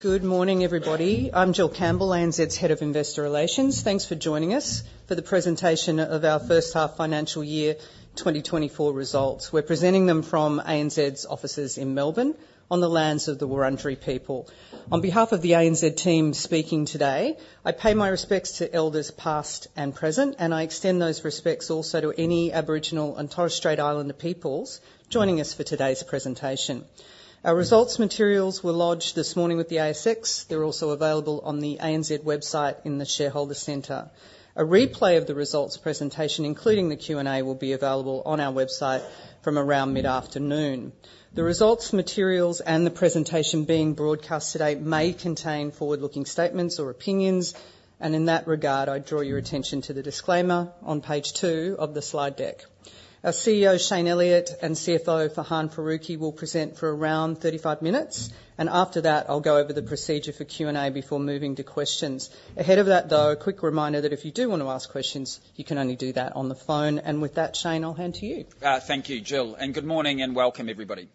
Good morning, everybody. I'm Jill Campbell, ANZ's Head of Investor Relations. Thanks for joining us for the presentation of our first half financial year, 2024 results. We're presenting them from ANZ's offices in Melbourne, on the lands of the Wurundjeri people. On behalf of the ANZ team speaking today, I pay my respects to elders, past and present, and I extend those respects also to any Aboriginal and Torres Strait Islander peoples joining us for today's presentation. Our results materials were lodged this morning with the ASX. They're also available on the ANZ website in the Shareholder Centre. A replay of the results presentation, including the Q&A, will be available on our website from around mid-afternoon. The results, materials, and the presentation being broadcast today may contain forward-looking statements or opinions, and in that regard, I draw your attention to the disclaimer on page two of the slide deck. Our CEO, Shayne Elliott, and CFO, Farhan Faruqui, will present for around 35 minutes, and after that, I'll go over the procedure for Q&A before moving to questions. Ahead of that, though, a quick reminder that if you do want to ask questions, you can only do that on the phone. With that, Shayne, I'll hand to you. Thank you, Jill, and good morning, and welcome, everybody.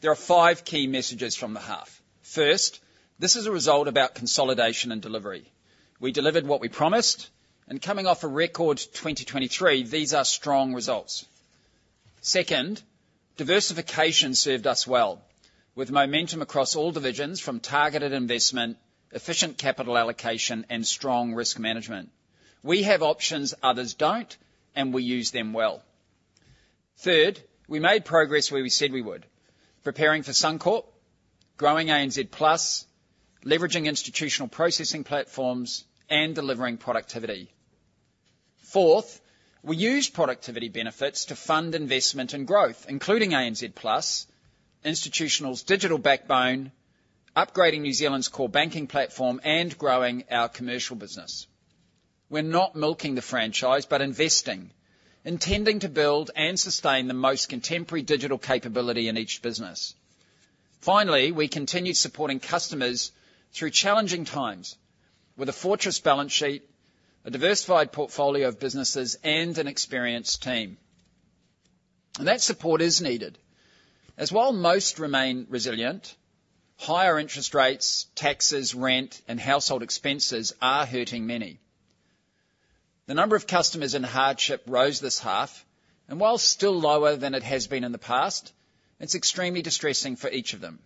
There are five key messages from the half. First, this is a result about consolidation and delivery. We delivered what we promised, and coming off a record 2023, these are strong results. Second, diversification served us well, with momentum across all divisions from targeted investment, efficient capital allocation, and strong risk management. We have options others don't, and we use them well. Third, we made progress where we said we would, preparing for Suncorp, growing ANZ Plus, leveraging Institutional processing platforms, and delivering productivity. Fourth, we used productivity benefits to fund investment and growth, including ANZ Plus, Institutional's digital backbone, upgrading New Zealand's core banking platform, and growing our Commercial business. We're not milking the franchise, but investing, intending to build and sustain the most contemporary digital capability in each business. Finally, we continued supporting customers through challenging times with a fortress balance sheet, a diversified portfolio of businesses, and an experienced team. That support is needed, as while most remain resilient, higher interest rates, taxes, rent, and household expenses are hurting many. The number of customers in hardship rose this half, and while still lower than it has been in the past, it's extremely distressing for each of them.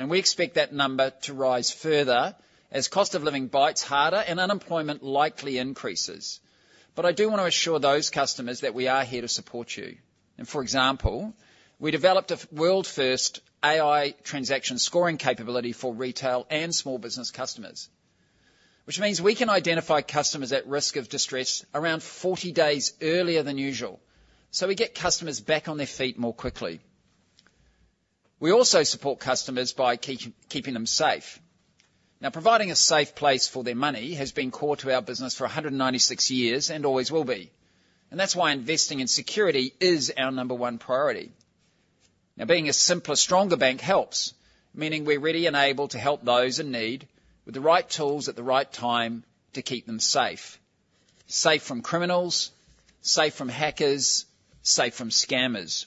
We expect that number to rise further as cost of living bites harder and unemployment likely increases. But I do want to assure those customers that we are here to support you. For example, we developed a world-first AI transaction scoring capability for retail and small business customers, which means we can identify customers at risk of distress around 40 days earlier than usual, so we get customers back on their feet more quickly. We also support customers by keeping them safe. Now, providing a safe place for their money has been core to our business for 196 years and always will be, and that's why investing in security is our number one priority. Now, being a simpler, stronger bank helps, meaning we're ready and able to help those in need with the right tools at the right time to keep them safe. Safe from criminals, safe from hackers, safe from scammers.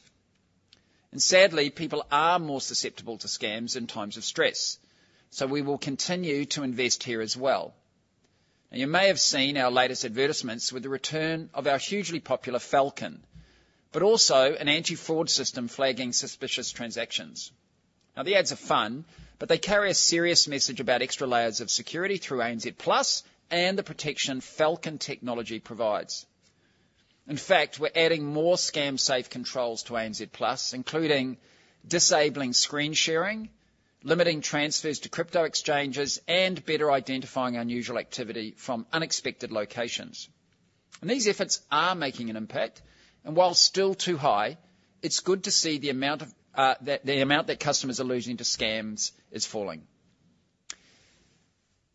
And sadly, people are more susceptible to scams in times of stress, so we will continue to invest here as well. And you may have seen our latest advertisements with the return of our hugely popular Falcon, but also an anti-fraud system flagging suspicious transactions. Now, the ads are fun, but they carry a serious message about extra layers of security through ANZ Plus and the protection Falcon technology provides. In fact, we're adding more scam-safe controls to ANZ Plus, including disabling screen sharing, limiting transfers to crypto exchanges, and better identifying unusual activity from unexpected locations. These efforts are making an impact, and while still too high, it's good to see the amount that customers are losing to scams is falling.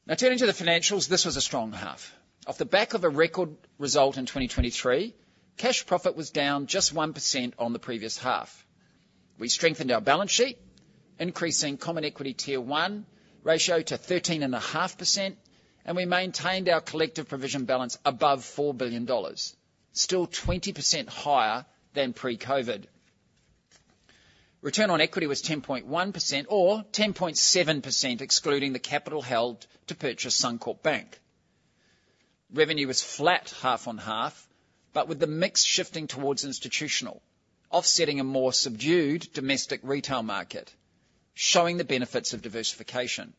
Now, turning to the financials, this was a strong half. Off the back of a record result in 2023, cash profit was down just 1% on the previous half. We strengthened our balance sheet, increasing Common Equity Tier 1 ratio to 13.5%, and we maintained our collective provision balance above 4 billion dollars, still 20% higher than pre-COVID. Return on equity was 10.1% or 10.7%, excluding the capital held to purchase Suncorp Bank. Revenue was flat half-on-half, but with the mix shifting towards institutional, offsetting a more subdued domestic retail market, showing the benefits of diversification.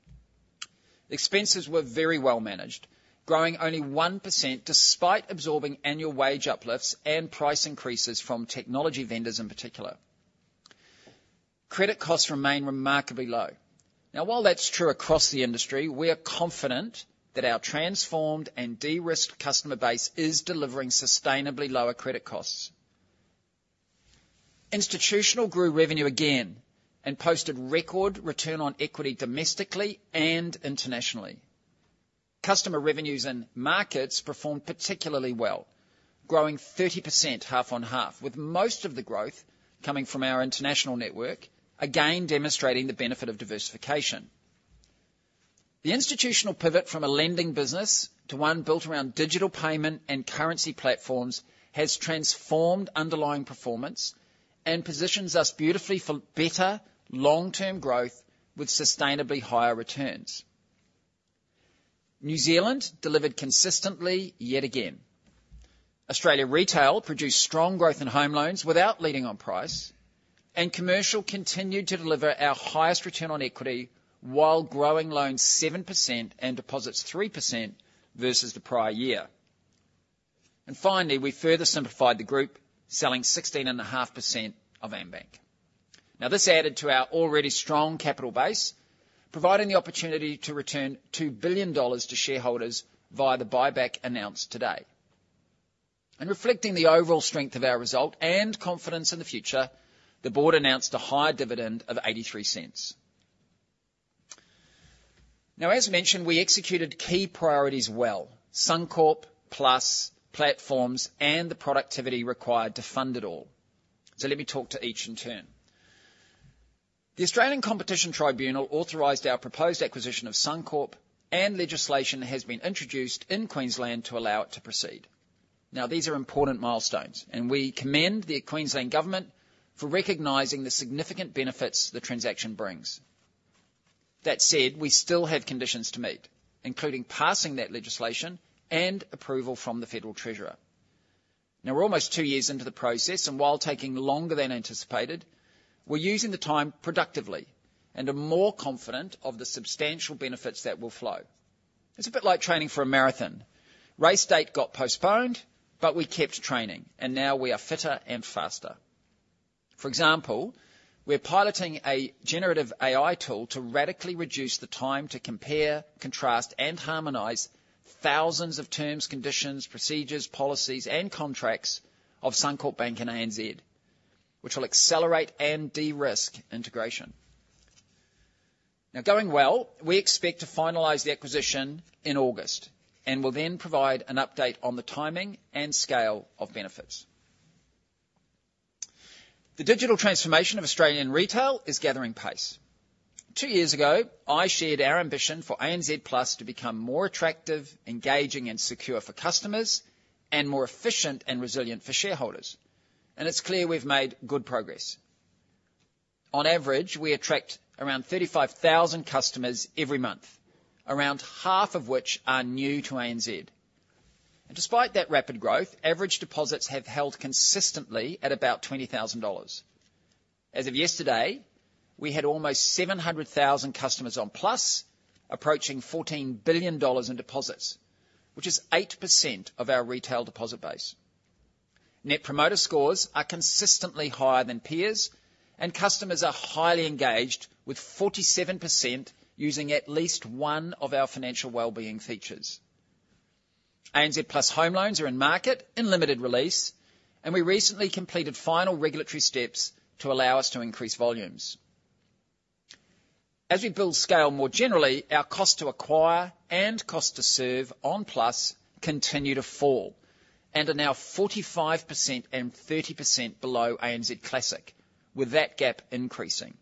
Expenses were very well managed, growing only 1%, despite absorbing annual wage uplifts and price increases from technology vendors in particular. Credit costs remain remarkably low. Now, while that's true across the industry, we are confident that our transformed and de-risked customer base is delivering sustainably lower credit costs. Institutional grew revenue again and posted record return on equity domestically and internationally. Customer revenues and markets performed particularly well, growing 30%, half-on-half, with most of the growth coming from our international network, again, demonstrating the benefit of diversification. The institutional pivot from a lending business to one built around digital payment and currency platforms has transformed underlying performance and positions us beautifully for better long-term growth with sustainably higher returns. New Zealand delivered consistently, yet again. Australia Retail produced strong growth in home loans without leading on price, and Commercial continued to deliver our highest return on equity while growing loans 7% and deposits 3% versus the prior year. And finally, we further simplified the group, selling 16.5% of AmBank. Now, this added to our already strong capital base, providing the opportunity to return 2 billion dollars to shareholders via the buyback announced today. Reflecting the overall strength of our result and confidence in the future, the board announced a higher dividend of 0.83. Now, as mentioned, we executed key priorities well: Suncorp, Plus, platforms, and the productivity required to fund it all. So let me talk to each in turn. The Australian Competition Tribunal authorized our proposed acquisition of Suncorp, and legislation has been introduced in Queensland to allow it to proceed. Now, these are important milestones, and we commend the Queensland government for recognizing the significant benefits the transaction brings. That said, we still have conditions to meet, including passing that legislation and approval from the Federal Treasurer. Now, we're almost two years into the process, and while taking longer than anticipated, we're using the time productively and are more confident of the substantial benefits that will flow. It's a bit like training for a marathon. Race date got postponed, but we kept training, and now we are fitter and faster. For example, we are piloting a generative AI tool to radically reduce the time to compare, contrast, and harmonize thousands of terms, conditions, procedures, policies, and contracts of Suncorp Bank and ANZ, which will accelerate and de-risk integration. Now, going well, we expect to finalize the acquisition in August and will then provide an update on the timing and scale of benefits. The digital transformation of Australian retail is gathering pace. Two years ago, I shared our ambition for ANZ Plus to become more attractive, engaging and secure for customers and more efficient and resilient for shareholders, and it's clear we've made good progress. On average, we attract around 35,000 customers every month, around half of which are new to ANZ. Despite that rapid growth, average deposits have held consistently at about 20,000 dollars. As of yesterday, we had almost 700,000 customers on Plus, approaching 14 billion dollars in deposits, which is 8% of our retail deposit base. Net Promoter Scores are consistently higher than peers, and customers are highly engaged, with 47% using at least one of our financial well-being features. ANZ Plus home loans are in market, in limited release, and we recently completed final regulatory steps to allow us to increase volumes. As we build scale more generally, our cost to acquire and cost to serve on Plus continue to fall and are now 45% and 30% below ANZ Classic, with that gap increasing.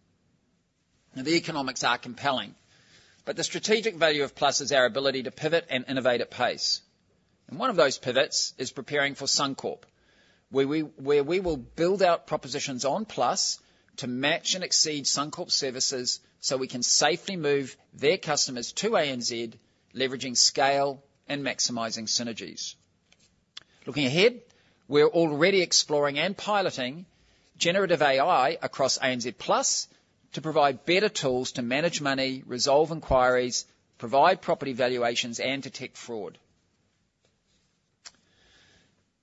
Now, the economics are compelling, but the strategic value of Plus is our ability to pivot and innovate at pace. One of those pivots is preparing for Suncorp, where we will build out propositions on Plus to match and exceed Suncorp's services, so we can safely move their customers to ANZ, leveraging scale and maximizing synergies. Looking ahead, we're already exploring and piloting generative AI across ANZ Plus to provide better tools to manage money, resolve inquiries, provide property valuations, and detect fraud.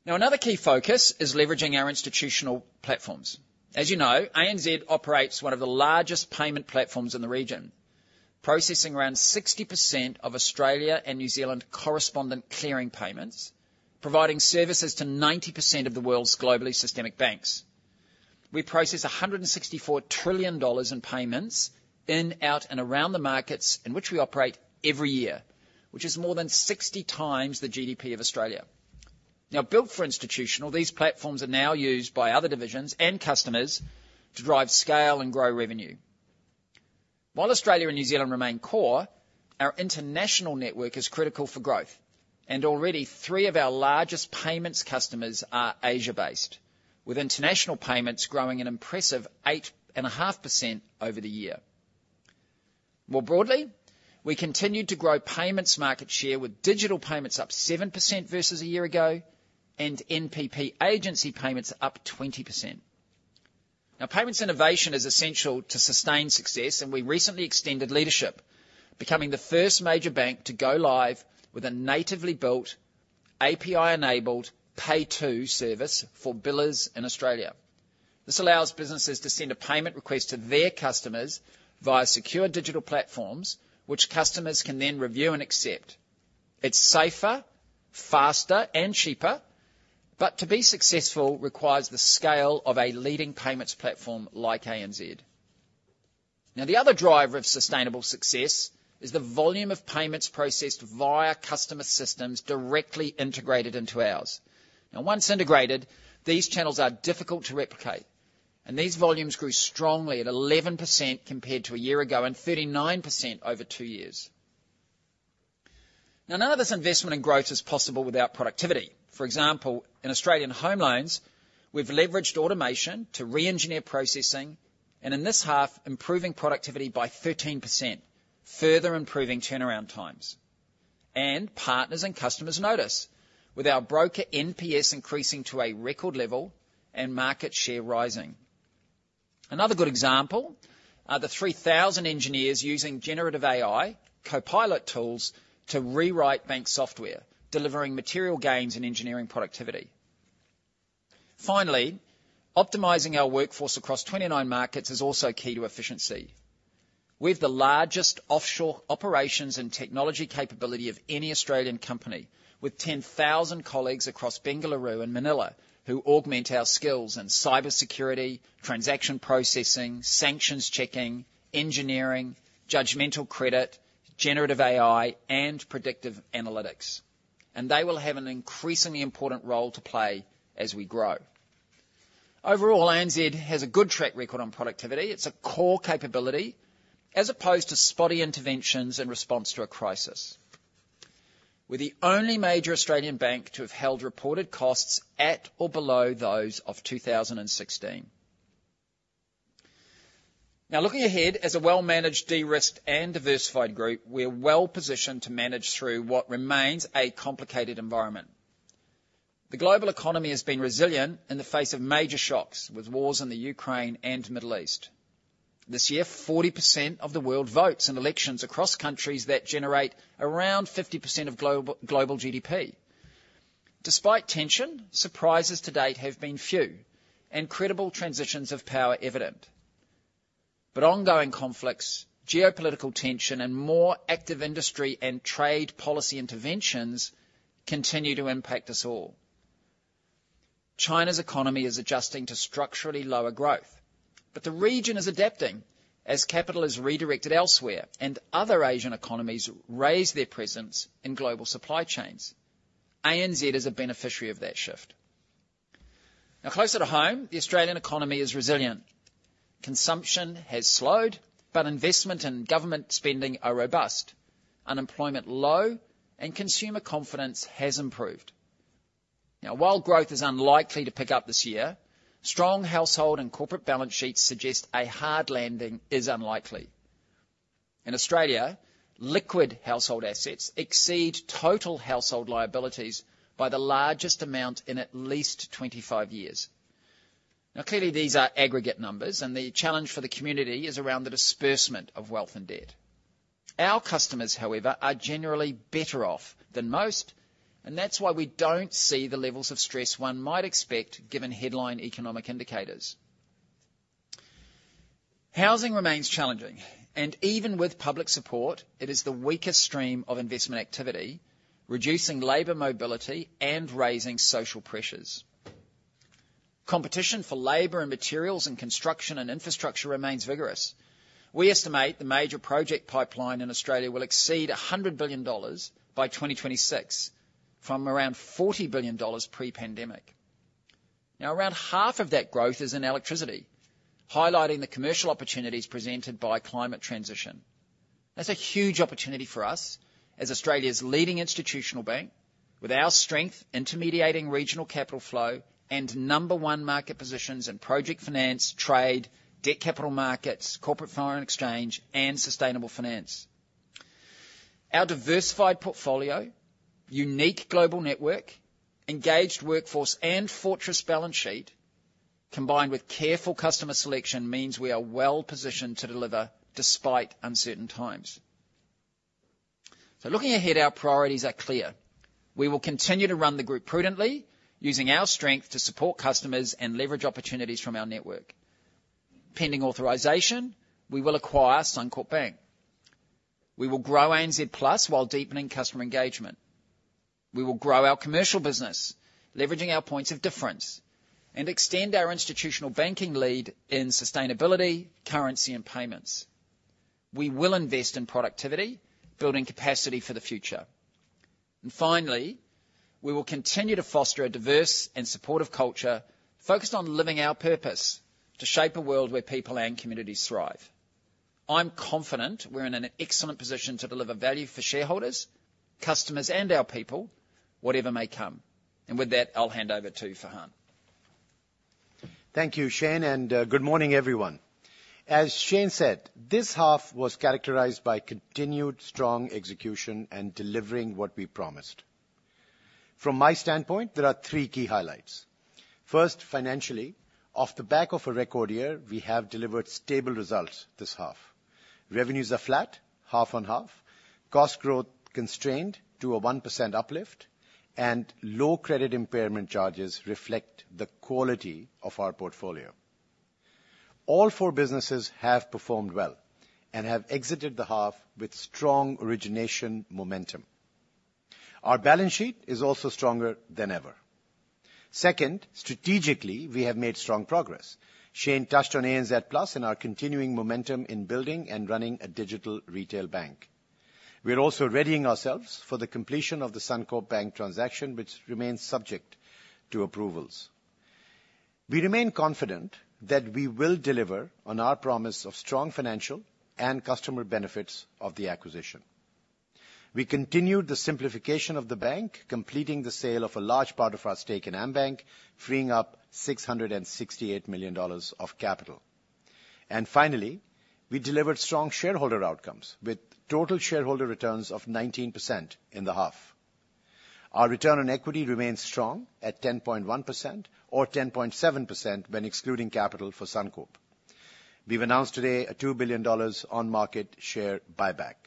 Now, another key focus is leveraging our institutional platforms. As you know, ANZ operates one of the largest payment platforms in the region, processing around 60% of Australia and New Zealand correspondent clearing payments, providing services to 90% of the world's globally systemic banks. We process 164 trillion dollars in payments in, out, and around the markets in which we operate every year, which is more than 60 times the GDP of Australia. Now, built for institutional, these platforms are now used by other divisions and customers to drive scale and grow revenue. While Australia and New Zealand remain core, our international network is critical for growth, and already three of our largest payments customers are Asia-based, with international payments growing an impressive 8.5% over the year. More broadly, we continued to grow payments market share, with digital payments up 7% versus a year ago, and NPP agency payments up 20%. Now, payments innovation is essential to sustained success, and we recently extended leadership, becoming the first major bank to go live with a natively built, API-enabled PayTo service for billers in Australia. This allows businesses to send a payment request to their customers via secure digital platforms, which customers can then review and accept. It's safer, faster, and cheaper, but to be successful requires the scale of a leading payments platform like ANZ. Now, the other driver of sustainable success is the volume of payments processed via customer systems directly integrated into ours. Now, once integrated, these channels are difficult to replicate... and these volumes grew strongly at 11% compared to a year ago, and 39% over two years. Now, none of this investment in growth is possible without productivity. For example, in Australian home loans, we've leveraged automation to re-engineer processing, and in this half, improving productivity by 13%, further improving turnaround times. Partners and customers notice, with our broker NPS increasing to a record level and market share rising. Another good example are the 3,000 engineers using generative AI, Copilot tools, to rewrite bank software, delivering material gains in engineering productivity. Finally, optimizing our workforce across 29 markets is also key to efficiency. We have the largest offshore operations and technology capability of any Australian company, with 10,000 colleagues across Bengaluru and Manila, who augment our skills in cybersecurity, transaction processing, sanctions checking, engineering, judgmental credit, generative AI, and predictive analytics. And they will have an increasingly important role to play as we grow. Overall, ANZ has a good track record on productivity. It's a core capability, as opposed to spotty interventions in response to a crisis. We're the only major Australian bank to have held reported costs at or below those of 2016. Now, looking ahead, as a well-managed, de-risked, and diversified group, we are well-positioned to manage through what remains a complicated environment. The global economy has been resilient in the face of major shocks, with wars in the Ukraine and Middle East. This year, 40% of the world votes in elections across countries that generate around 50% of global GDP. Despite tension, surprises to date have been few, and credible transitions of power evident. But ongoing conflicts, geopolitical tension, and more active industry and trade policy interventions continue to impact us all. China's economy is adjusting to structurally lower growth, but the region is adapting as capital is redirected elsewhere, and other Asian economies raise their presence in global supply chains. ANZ is a beneficiary of that shift. Now, closer to home, the Australian economy is resilient. Consumption has slowed, but investment and government spending are robust, unemployment low, and consumer confidence has improved. Now, while growth is unlikely to pick up this year, strong household and corporate balance sheets suggest a hard landing is unlikely. In Australia, liquid household assets exceed total household liabilities by the largest amount in at least 25 years. Now, clearly, these are aggregate numbers, and the challenge for the community is around the disbursement of wealth and debt. Our customers, however, are generally better off than most, and that's why we don't see the levels of stress one might expect, given headline economic indicators. Housing remains challenging, and even with public support, it is the weakest stream of investment activity, reducing labor mobility and raising social pressures. Competition for labor and materials in construction and infrastructure remains vigorous. We estimate the major project pipeline in Australia will exceed 100 billion dollars by 2026, from around 40 billion dollars pre-pandemic. Now, around half of that growth is in electricity, highlighting the commercial opportunities presented by climate transition. That's a huge opportunity for us as Australia's leading institutional bank, with our strength, intermediating regional capital flow, and number one market positions in project finance, trade, debt capital markets, corporate foreign exchange, and sustainable finance. Our diversified portfolio, unique global network, engaged workforce, and fortress balance sheet, combined with careful customer selection, means we are well-positioned to deliver despite uncertain times. Looking ahead, our priorities are clear. We will continue to run the group prudently, using our strength to support customers and leverage opportunities from our network. Pending authorization, we will acquire Suncorp Bank. We will grow ANZ Plus, while deepening customer engagement. We will grow our commercial business, leveraging our points of difference, and extend our institutional banking lead in sustainability, currency, and payments. We will invest in productivity, building capacity for the future. Finally, we will continue to foster a diverse and supportive culture focused on living our purpose to shape a world where people and communities thrive. I'm confident we're in an excellent position to deliver value for shareholders, customers, and our people, whatever may come. And with that, I'll hand over to Farhan. Thank you, Shayne, and good morning, everyone. As Shayne said, this half was characterized by continued strong execution and delivering what we promised. From my standpoint, there are three key highlights. First, financially, off the back of a record year, we have delivered stable results this half. Revenues are flat, half on half, cost growth constrained to a 1% uplift, and low credit impairment charges reflect the quality of our portfolio. All four businesses have performed well and have exited the half with strong origination momentum. Our balance sheet is also stronger than ever. Second, strategically, we have made strong progress. Shayne touched on ANZ Plus and our continuing momentum in building and running a digital retail bank.... We're also readying ourselves for the completion of the Suncorp Bank transaction, which remains subject to approvals. We remain confident that we will deliver on our promise of strong financial and customer benefits of the acquisition. We continued the simplification of the bank, completing the sale of a large part of our stake in AmBank, freeing up 668 million dollars of capital. Finally, we delivered strong shareholder outcomes, with total shareholder returns of 19% in the half. Our return on equity remains strong at 10.1%, or 10.7% when excluding capital for Suncorp. We've announced today an 2 billion dollars on-market share buyback.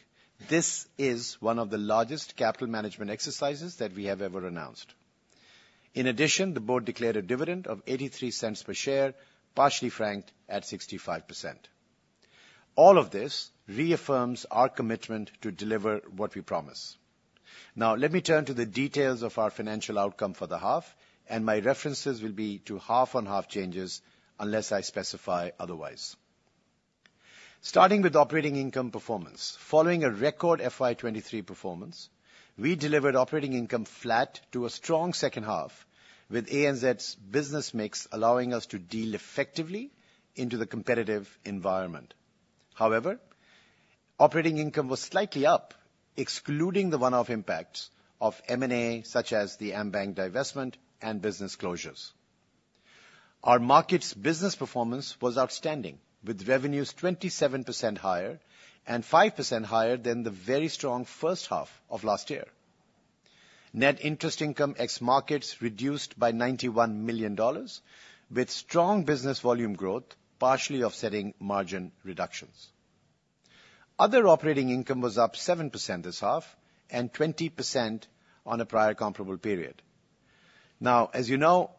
This is one of the largest capital management exercises that we have ever announced. In addition, the board declared a dividend of 0.83 per share, partially franked at 65%. All of this reaffirms our commitment to deliver what we promise. Now, let me turn to the details of our financial outcome for the half, and my references will be to half-on-half changes, unless I specify otherwise. Starting with operating income performance. Following a record FY 2023 performance, we delivered operating income flat to a strong second half, with ANZ's business mix allowing us to deal effectively into the competitive environment. However, operating income was slightly up, excluding the one-off impacts of M&A, such as the AmBank divestment and business closures. Our markets business performance was outstanding, with revenues 27% higher and 5% higher than the very strong first half of last year. Net interest income ex markets reduced by 91 million dollars, with strong business volume growth, partially offsetting margin reductions. Other operating income was up 7% this half, and 20% on a prior comparable period. Now, as you know,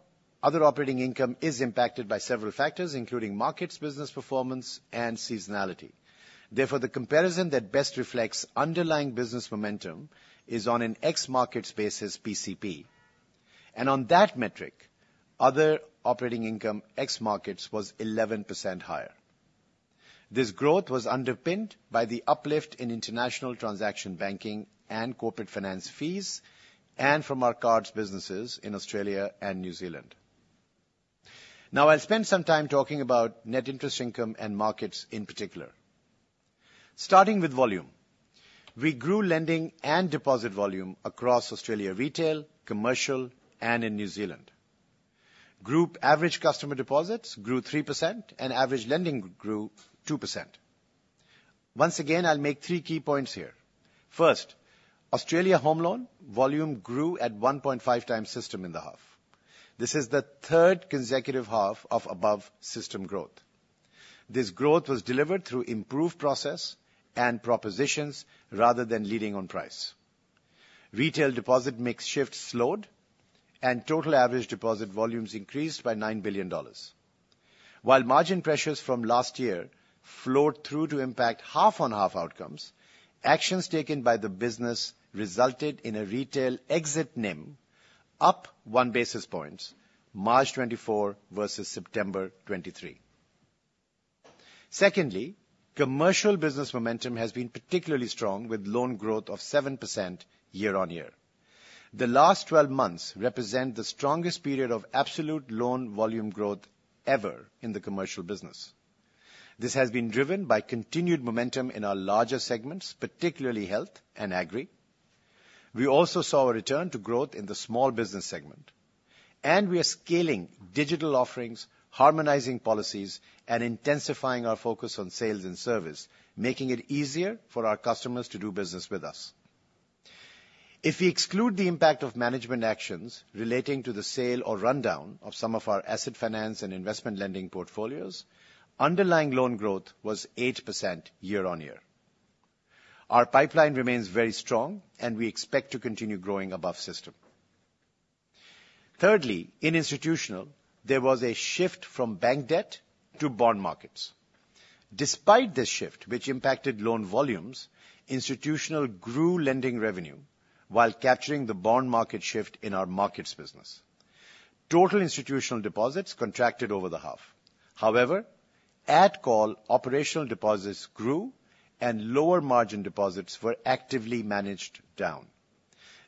other operating income is impacted by several factors, including markets, business performance, and seasonality. Therefore, the comparison that best reflects underlying business momentum is on an ex-markets basis PCP. And on that metric, other operating income, ex markets, was 11% higher. This growth was underpinned by the uplift in international transaction banking and corporate finance fees, and from our cards businesses in Australia and New Zealand. Now, I'll spend some time talking about net interest income and markets in particular. Starting with volume. We grew lending and deposit volume across Australia retail, commercial, and in New Zealand. Group average customer deposits grew 3%, and average lending grew 2%. Once again, I'll make three key points here. First, Australia home loan volume grew at 1.5 times system in the half. This is the third consecutive half of above-system growth. This growth was delivered through improved process and propositions rather than leading on price. Retail deposit mix shift slowed, and total average deposit volumes increased by 9 billion dollars. While margin pressures from last year flowed through to impact half-on-half outcomes, actions taken by the business resulted in a retail exit NIM up one basis point, March 2024 versus September 2023. Secondly, commercial business momentum has been particularly strong, with loan growth of 7% year-on-year. The last 12 months represent the strongest period of absolute loan volume growth ever in the commercial business. This has been driven by continued momentum in our larger segments, particularly health and agri. We also saw a return to growth in the small business segment, and we are scaling digital offerings, harmonizing policies, and intensifying our focus on sales and service, making it easier for our customers to do business with us. If we exclude the impact of management actions relating to the sale or rundown of some of our asset finance and investment lending portfolios, underlying loan growth was 8% year-on-year. Our pipeline remains very strong, and we expect to continue growing above system. Thirdly, in institutional, there was a shift from bank debt to bond markets. Despite this shift, which impacted loan volumes, institutional grew lending revenue while capturing the bond market shift in our markets business. Total institutional deposits contracted over the half. However, at call, operational deposits grew and lower margin deposits were actively managed down.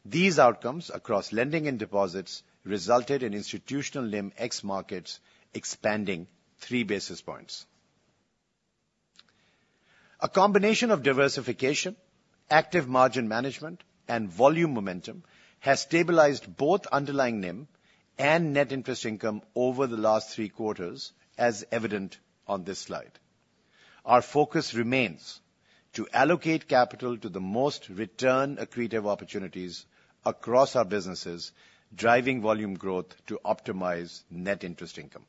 These outcomes across lending and deposits resulted in institutional NIM ex markets expanding three basis points. A combination of diversification, active margin management, and volume momentum has stabilized both underlying NIM and net interest income over the last three quarters, as evident on this slide. Our focus remains to allocate capital to the most return accretive opportunities across our businesses, driving volume growth to optimize net interest income.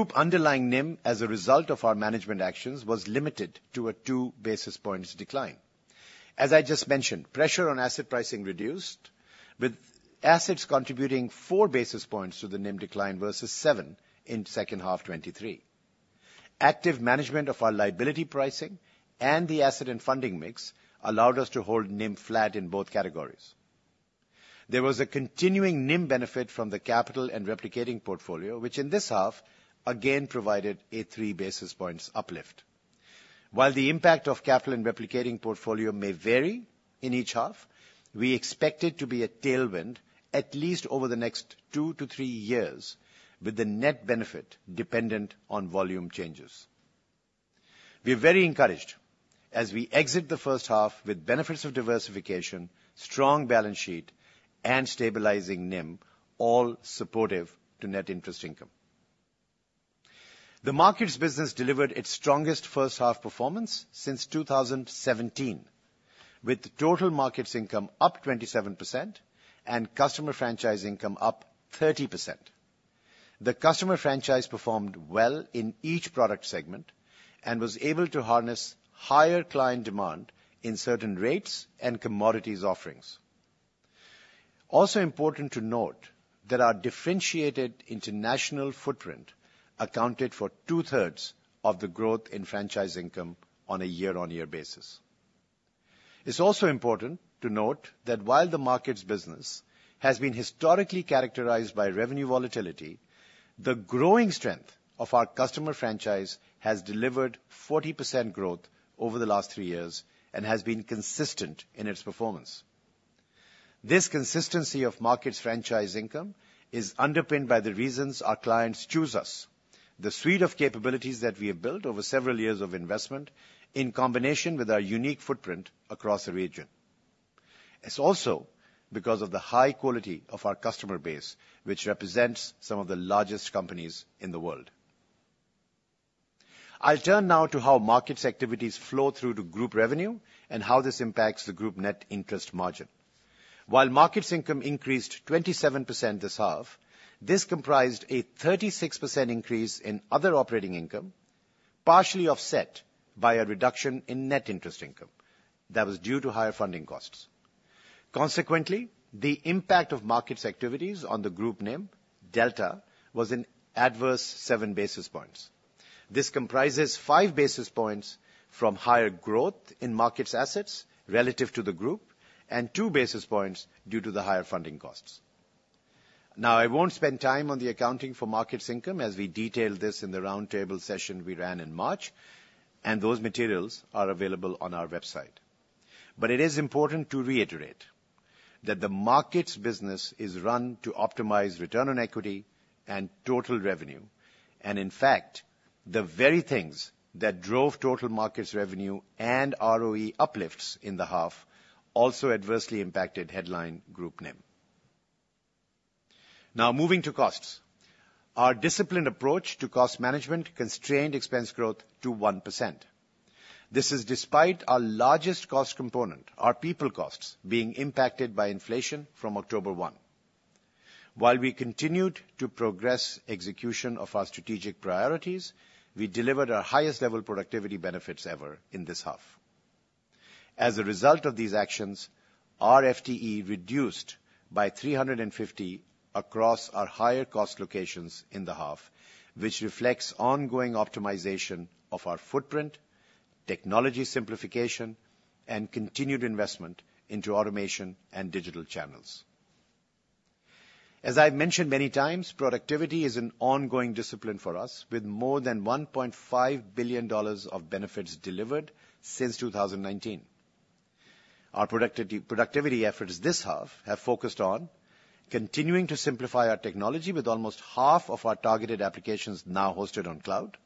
Group underlying NIM, as a result of our management actions, was limited to a 2 basis points decline. As I just mentioned, pressure on asset pricing reduced, with assets contributing 4 basis points to the NIM decline versus 7 basis points in second half 2023. Active management of our liability pricing and the asset and funding mix allowed us to hold NIM flat in both categories. There was a continuing NIM benefit from the capital and replicating portfolio, which in this half, again provided a 3 basis points uplift. While the impact of capital and replicating portfolio may vary in each half, we expect it to be a tailwind at least over the next 2-3 years, with the net benefit dependent on volume changes. We're very encouraged as we exit the first half with benefits of diversification, strong balance sheet, and stabilizing NIM, all supportive to net interest income. The markets business delivered its strongest first half performance since 2017, with total markets income up 27% and customer franchise income up 30%. The customer franchise performed well in each product segment and was able to harness higher client demand in certain rates and commodities offerings. Also important to note that our differentiated international footprint accounted for two-thirds of the growth in franchise income on a year-on-year basis. It's also important to note that while the markets business has been historically characterized by revenue volatility, the growing strength of our customer franchise has delivered 40% growth over the last 3 years and has been consistent in its performance. This consistency of markets franchise income is underpinned by the reasons our clients choose us, the suite of capabilities that we have built over several years of investment, in combination with our unique footprint across the region. It's also because of the high quality of our customer base, which represents some of the largest companies in the world. I turn now to how markets activities flow through to group revenue and how this impacts the group net interest margin. While markets income increased 27% this half, this comprised a 36% increase in other operating income, partially offset by a reduction in net interest income that was due to higher funding costs. Consequently, the impact of markets activities on the group NIM delta was an adverse 7 basis points. This comprises five basis points from higher growth in markets assets relative to the group, and two basis points due to the higher funding costs. Now, I won't spend time on the accounting for markets income, as we detailed this in the roundtable session we ran in March, and those materials are available on our website. But it is important to reiterate that the markets business is run to optimize return on equity and total revenue. And in fact, the very things that drove total markets revenue and ROE uplifts in the half also adversely impacted headline group NIM. Now, moving to costs. Our disciplined approach to cost management constrained expense growth to 1%. This is despite our largest cost component, our people costs, being impacted by inflation from October 1. While we continued to progress execution of our strategic priorities, we delivered our highest level productivity benefits ever in this half. As a result of these actions, our FTE reduced by 350 across our higher cost locations in the half, which reflects ongoing optimization of our footprint, technology simplification, and continued investment into automation and digital channels. As I've mentioned many times, productivity is an ongoing discipline for us, with more than 1.5 billion dollars of benefits delivered since 2019. Our productivity efforts this half have focused on continuing to simplify our technology, with almost half of our targeted applications now hosted on cloud,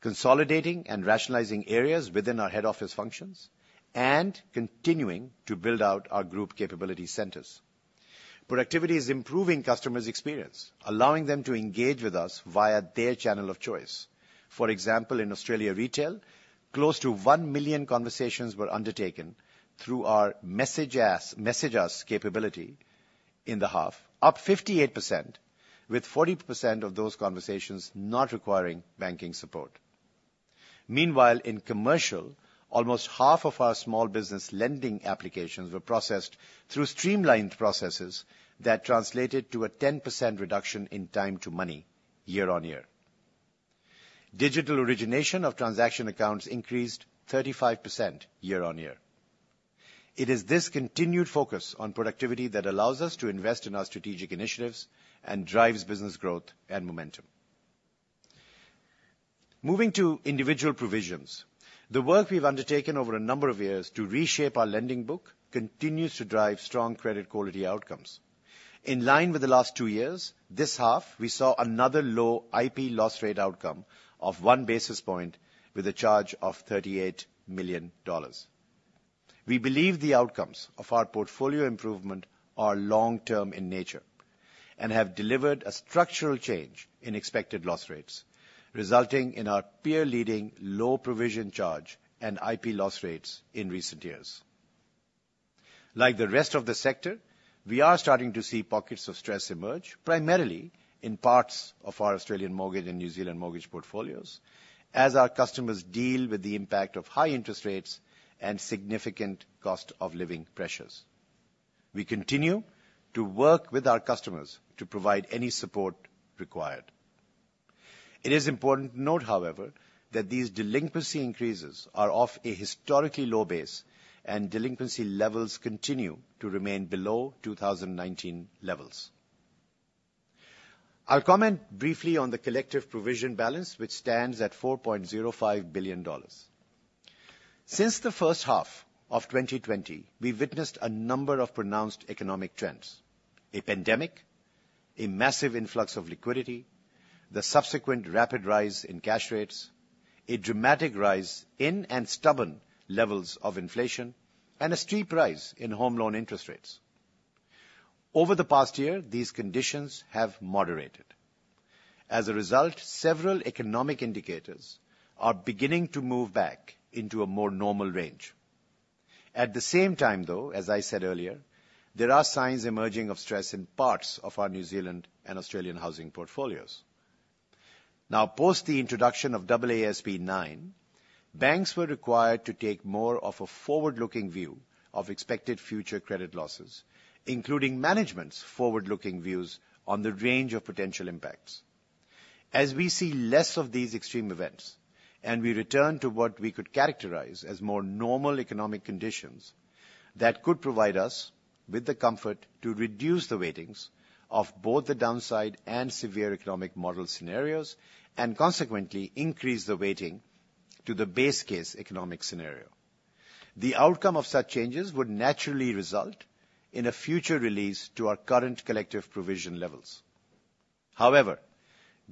consolidating and rationalizing areas within our head office functions, and continuing to build out our group capability centers. Productivity is improving customers' experience, allowing them to engage with us via their channel of choice. For example, in Australia Retail, close to one million conversations were undertaken through our Message Us capability in the half, up 58%, with 40% of those conversations not requiring banking support. Meanwhile, in commercial, almost half of our small business lending applications were processed through streamlined processes that translated to a 10% reduction in time to money year-on-year. Digital origination of transaction accounts increased 35% year-on-year. It is this continued focus on productivity that allows us to invest in our strategic initiatives and drives business growth and momentum. Moving to individual provisions. The work we've undertaken over a number of years to reshape our lending book continues to drive strong credit quality outcomes. In line with the last two years, this half, we saw another low IP loss rate outcome of 1 basis point with a charge of 38 million dollars. We believe the outcomes of our portfolio improvement are long-term in nature and have delivered a structural change in expected loss rates, resulting in our peer-leading low provision charge and IP loss rates in recent years. Like the rest of the sector, we are starting to see pockets of stress emerge, primarily in parts of our Australian mortgage and New Zealand mortgage portfolios, as our customers deal with the impact of high interest rates and significant cost of living pressures. We continue to work with our customers to provide any support required. It is important to note, however, that these delinquency increases are off a historically low base, and delinquency levels continue to remain below 2019 levels. I'll comment briefly on the collective provision balance, which stands at 4.05 billion dollars. Since the first half of 2020, we've witnessed a number of pronounced economic trends: a pandemic, a massive influx of liquidity, the subsequent rapid rise in cash rates, a dramatic rise in and stubborn levels of inflation, and a steep rise in home loan interest rates. Over the past year, these conditions have moderated. As a result, several economic indicators are beginning to move back into a more normal range. At the same time, though, as I said earlier, there are signs emerging of stress in parts of our New Zealand and Australian housing portfolios. Now, post the introduction of AASB 9, banks were required to take more of a forward-looking view of expected future credit losses, including management's forward-looking views on the range of potential impacts. As we see less of these extreme events, and we return to what we could characterize as more normal economic conditions, that could provide us with the comfort to reduce the weightings of both the downside and severe economic model scenarios, and consequently, increase the weighting to the base case economic scenario. The outcome of such changes would naturally result in a future release to our current collective provision levels. However,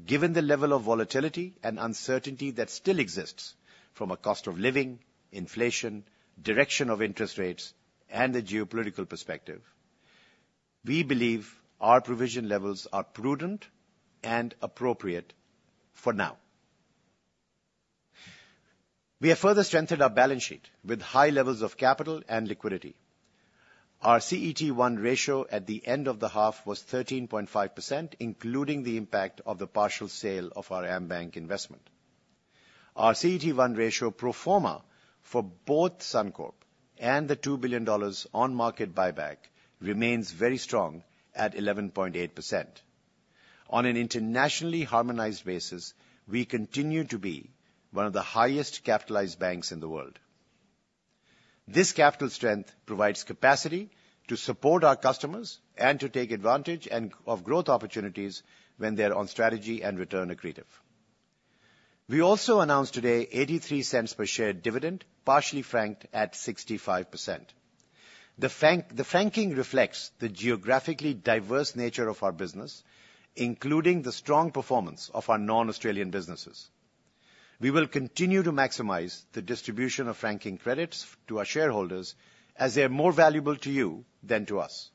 given the level of volatility and uncertainty that still exists from a cost of living, inflation, direction of interest rates, and the geopolitical perspective, we believe our provision levels are prudent and appropriate for now. We have further strengthened our balance sheet with high levels of capital and liquidity. Our CET1 ratio at the end of the half was 13.5%, including the impact of the partial sale of our AmBank investment. Our CET1 ratio pro forma for both Suncorp and the 2 billion dollars on-market buyback remains very strong at 11.8%. On an internationally harmonized basis, we continue to be one of the highest capitalized banks in the world. This capital strength provides capacity to support our customers and to take advantage of growth opportunities when they're on strategy and return accretive. We also announced today 0.83 per share dividend, partially franked at 65%. The franking reflects the geographically diverse nature of our business, including the strong performance of our non-Australian businesses. We will continue to maximize the distribution of franking credits to our shareholders, as they are more valuable to you than to us.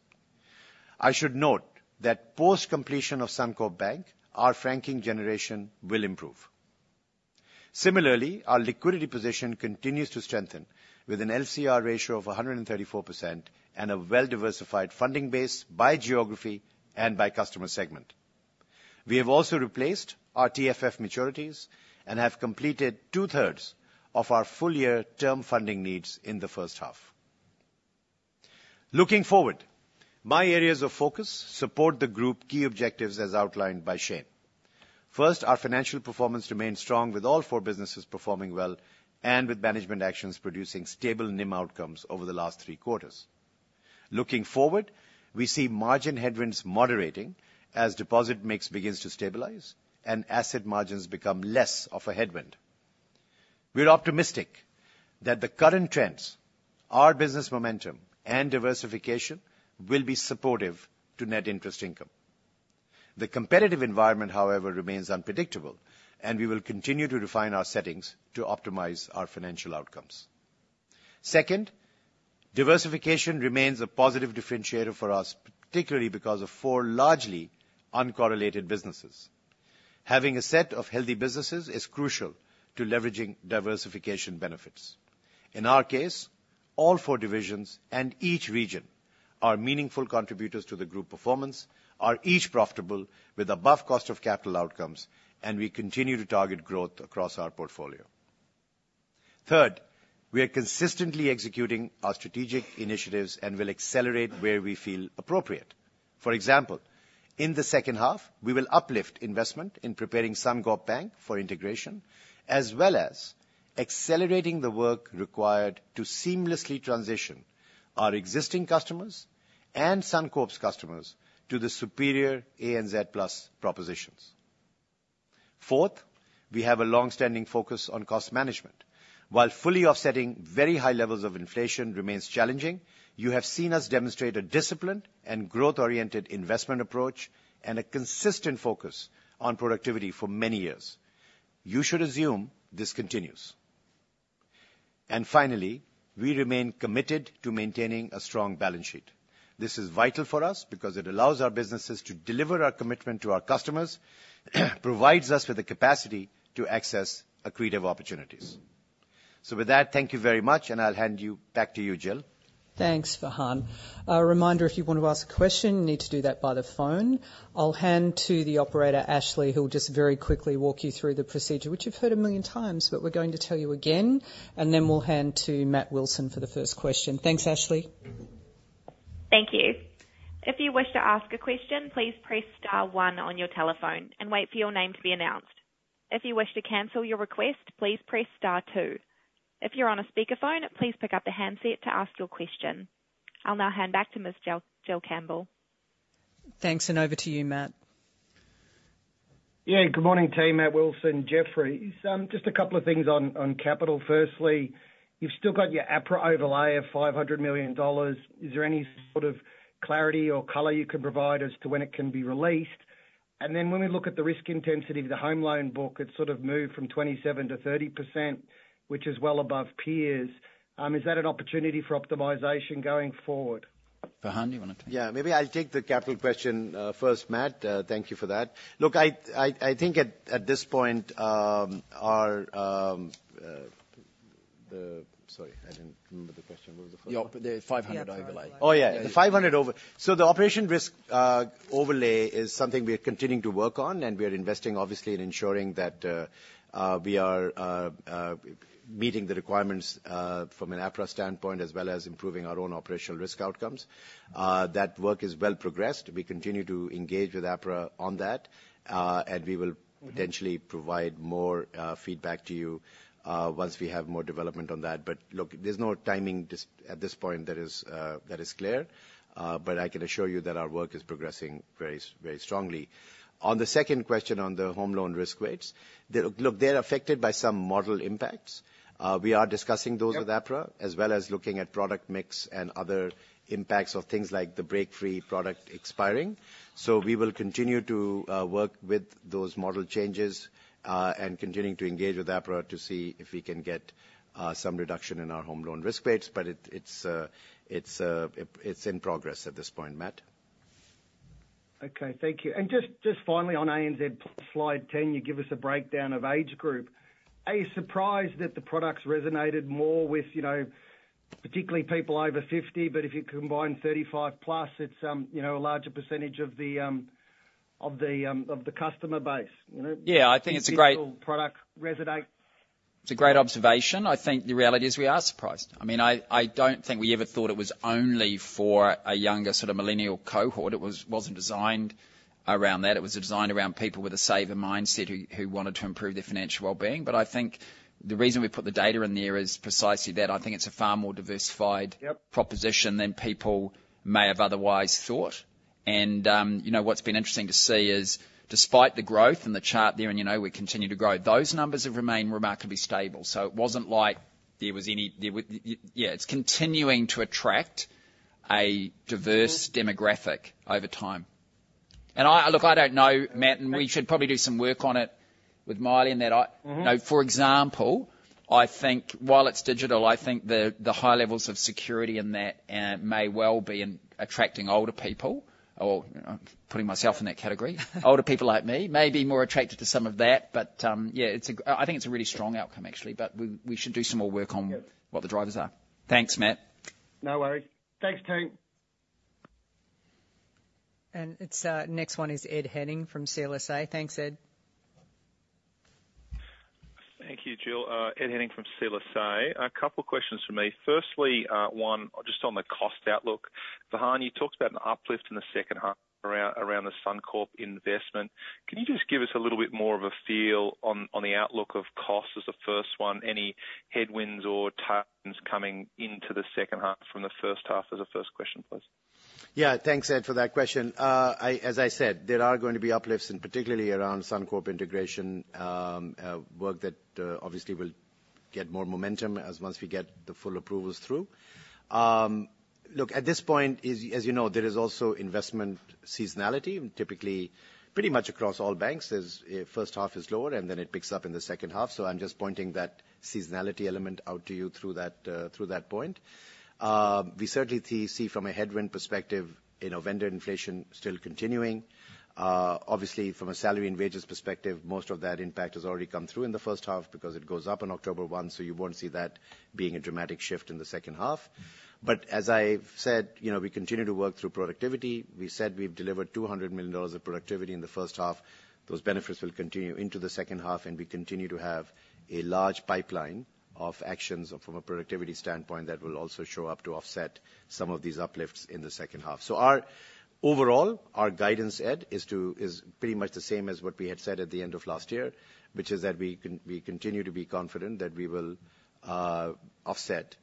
I should note that post-completion of Suncorp Bank, our franking generation will improve. Similarly, our liquidity position continues to strengthen, with an LCR ratio of 134% and a well-diversified funding base by geography and by customer segment. We have also replaced our TFF maturities and have completed two-thirds of our full-year term funding needs in the first half. Looking forward, my areas of focus support the group key objectives as outlined by Shayne. First, our financial performance remains strong, with all four businesses performing well and with management actions producing stable NIM outcomes over the last three quarters. Looking forward, we see margin headwinds moderating as deposit mix begins to stabilize and asset margins become less of a headwind. We're optimistic that the current trends, our business momentum, and diversification will be supportive to net interest income. The competitive environment, however, remains unpredictable, and we will continue to refine our settings to optimize our financial outcomes. Second, diversification remains a positive differentiator for us, particularly because of four largely uncorrelated businesses. Having a set of healthy businesses is crucial to leveraging diversification benefits. In our case, all four divisions and each region are meaningful contributors to the group performance, are each profitable with above cost of capital outcomes, and we continue to target growth across our portfolio. Third, we are consistently executing our strategic initiatives and will accelerate where we feel appropriate. For example, in the second half, we will uplift investment in preparing Suncorp Bank for integration, as well as accelerating the work required to seamlessly transition our existing customers and Suncorp's customers to the superior ANZ Plus propositions. Fourth, we have a long-standing focus on cost management. While fully offsetting very high levels of inflation remains challenging, you have seen us demonstrate a disciplined and growth-oriented investment approach and a consistent focus on productivity for many years. You should assume this continues. Finally, we remain committed to maintaining a strong balance sheet. This is vital for us because it allows our businesses to deliver our commitment to our customers, provides us with the capacity to access accretive opportunities. With that, thank you very much, and I'll hand you back to you, Jill. Thanks, Farhan. A reminder, if you want to ask a question, you need to do that by the phone. I'll hand to the operator, Ashley, who will just very quickly walk you through the procedure, which you've heard a million times, but we're going to tell you again, and then we'll hand to Matt Wilson for the first question. Thanks, Ashley. Thank you. If you wish to ask a question, please press star one on your telephone and wait for your name to be announced. If you wish to cancel your request, please press star two. If you're on a speakerphone, please pick up the handset to ask your question. I'll now hand back to Ms. Jill Campbell. Thanks, and over to you, Matt. Yeah, good morning, team. Matt Wilson, Jefferies. Just a couple of things on, on capital. Firstly, you've still got your APRA overlay of 500 million dollars. Is there any sort of clarity or color you can provide as to when it can be released? And then when we look at the risk intensity of the home loan book, it's sort of moved from 27%-30%, which is well above peers. Is that an opportunity for optimization going forward? Farhan, do you want to take? Yeah, maybe I'll take the capital question first, Matt. Thank you for that. Look, I think at this point. Sorry, I didn't remember the question. What was the first one? Yeah, the 500 overlay. Oh, yeah, the 500 over- So the operational risk overlay is something we are continuing to work on, and we are investing, obviously, in ensuring that we are meeting the requirements from an APRA standpoint, as well as improving our own operational risk outcomes. That work is well progressed. We continue to engage with APRA on that, and we will potentially provide more feedback to you once we have more development on that. But look, there's no timing just at this point that is clear. But I can assure you that our work is progressing very, very strongly. On the second question, on the home loan risk weights, they... Look, they're affected by some model impacts. We are discussing those with APRA, as well as looking at product mix and other impacts of things like the Breakfree product expiring. So we will continue to work with those model changes, and continuing to engage with APRA to see if we can get some reduction in our home loan risk weights, but it's in progress at this point, Matt. Okay. Thank you. And just finally on ANZ, slide 10, you give us a breakdown of age group. Are you surprised that the products resonated more with, you know, particularly people over 50? But if you combine 35+, it's, you know, a larger percentage of the customer base, you know? Digital product resonate. It's a great observation. I think the reality is we are surprised. I mean, I don't think we ever thought it was only for a younger sort of millennial cohort. It was, wasn't designed around that. It was designed around people with a saver mindset who wanted to improve their financial well-being. But I think the reason we put the data in there is precisely that. I think it's a far more diversified proposition than people may have otherwise thought. And, you know, what's been interesting to see is, despite the growth in the chart there, and, you know, we continue to grow, those numbers have remained remarkably stable. So it wasn't like there was any, yeah, it's continuing to attract a diverse-demographic over time. And I... Look, I don't know, Matt, and we should probably do some work on it with Maile on that. Mm-hmm. You know, for example, I think while it's digital, I think the, the high levels of security in that may well be in attracting older people, or, putting myself in that category. Older people like me may be more attracted to some of that, but, yeah, it's a... I think it's a really strong outcome, actually, but we, we should do some more work on. Yep. What the drivers are. Thanks, Matt. No worries. Thanks, team. It's next one is Ed Henning from CLSA. Thanks, Ed. Thank you, Jill. Ed Henning from CLSA. A couple questions from me. Firstly, one, just on the cost outlook. Farhan, you talked about an uplift in the second half around the Suncorp investment. Can you just give us a little bit more of a feel on the outlook of costs as the first one, any headwinds or tails coming into the second half from the first half? As a first question, please. Yeah. Thanks, Ed, for that question. I, as I said, there are going to be uplifts, and particularly around Suncorp integration, work that, obviously will get more momentum as once we get the full approvals through. Look, at this point, as you know, there is also investment seasonality, and typically, pretty much across all banks, first half is lower, and then it picks up in the second half. So I'm just pointing that seasonality element out to you through that point. We certainly see from a headwind perspective, you know, vendor inflation still continuing. Obviously, from a salary and wages perspective, most of that impact has already come through in the first half because it goes up on October 1, so you won't see that being a dramatic shift in the second half. But as I've said, you know, we continue to work through productivity. We said we've delivered 200 million dollars of productivity in the first half. Those benefits will continue into the second half, and we continue to have a large pipeline of actions from a productivity standpoint that will also show up to offset some of these uplifts in the second half. So overall, our guidance, Ed, is pretty much the same as what we had said at the end of last year, which is that we continue to be confident that we will offset,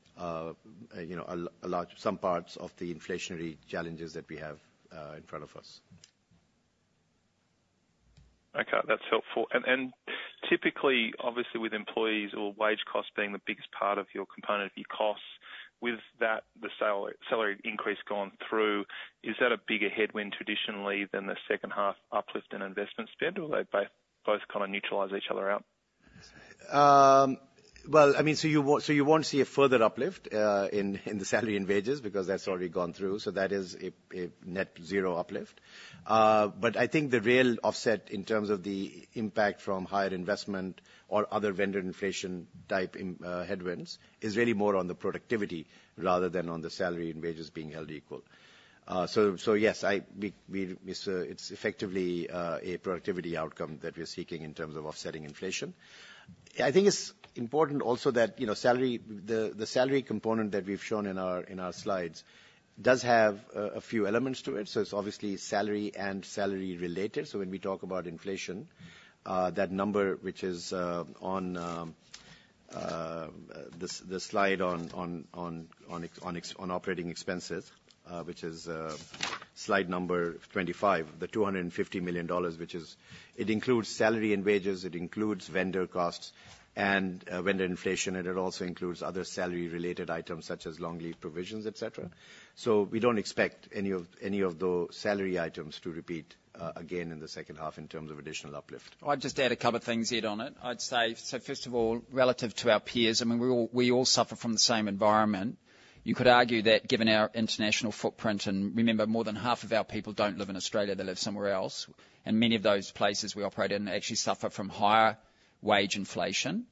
you know, a large some parts of the inflationary challenges that we have in front of us. Okay, that's helpful. And typically, obviously, with employees or wage costs being the biggest part of your component, of your costs, with that, the salary increase gone through, is that a bigger headwind traditionally than the second half uplift in investment spend? Or do they both kind of neutralize each other out? Well, I mean, so you won't, so you won't see a further uplift in the salary and wages, because that's already gone through, so that is a net zero uplift. But I think the real offset in terms of the impact from higher investment or other vendor inflation type in headwinds is really more on the productivity rather than on the salary and wages being held equal. So yes, we, it's effectively a productivity outcome that we're seeking in terms of offsetting inflation. I think it's important also that, you know, salary, the salary component that we've shown in our slides does have a few elements to it. So it's obviously salary and salary related. So when we talk about inflation, that number, which is on the slide on operating expenses, which is slide number 25, the 250 million dollars, which is. It includes salary and wages, it includes vendor costs and vendor inflation, and it also includes other salary-related items such as long leave provisions, et cetera. So we don't expect any of those salary items to repeat again in the second half in terms of additional uplift. I'd just add a couple of things, Ed, on it. I'd say, so first of all, relative to our peers, I mean, we all, we all suffer from the same environment. You could argue that given our international footprint, and remember, more than half of our people don't live in Australia, they live somewhere else, and many of those places we operate in actually suffer from higher wage inflation.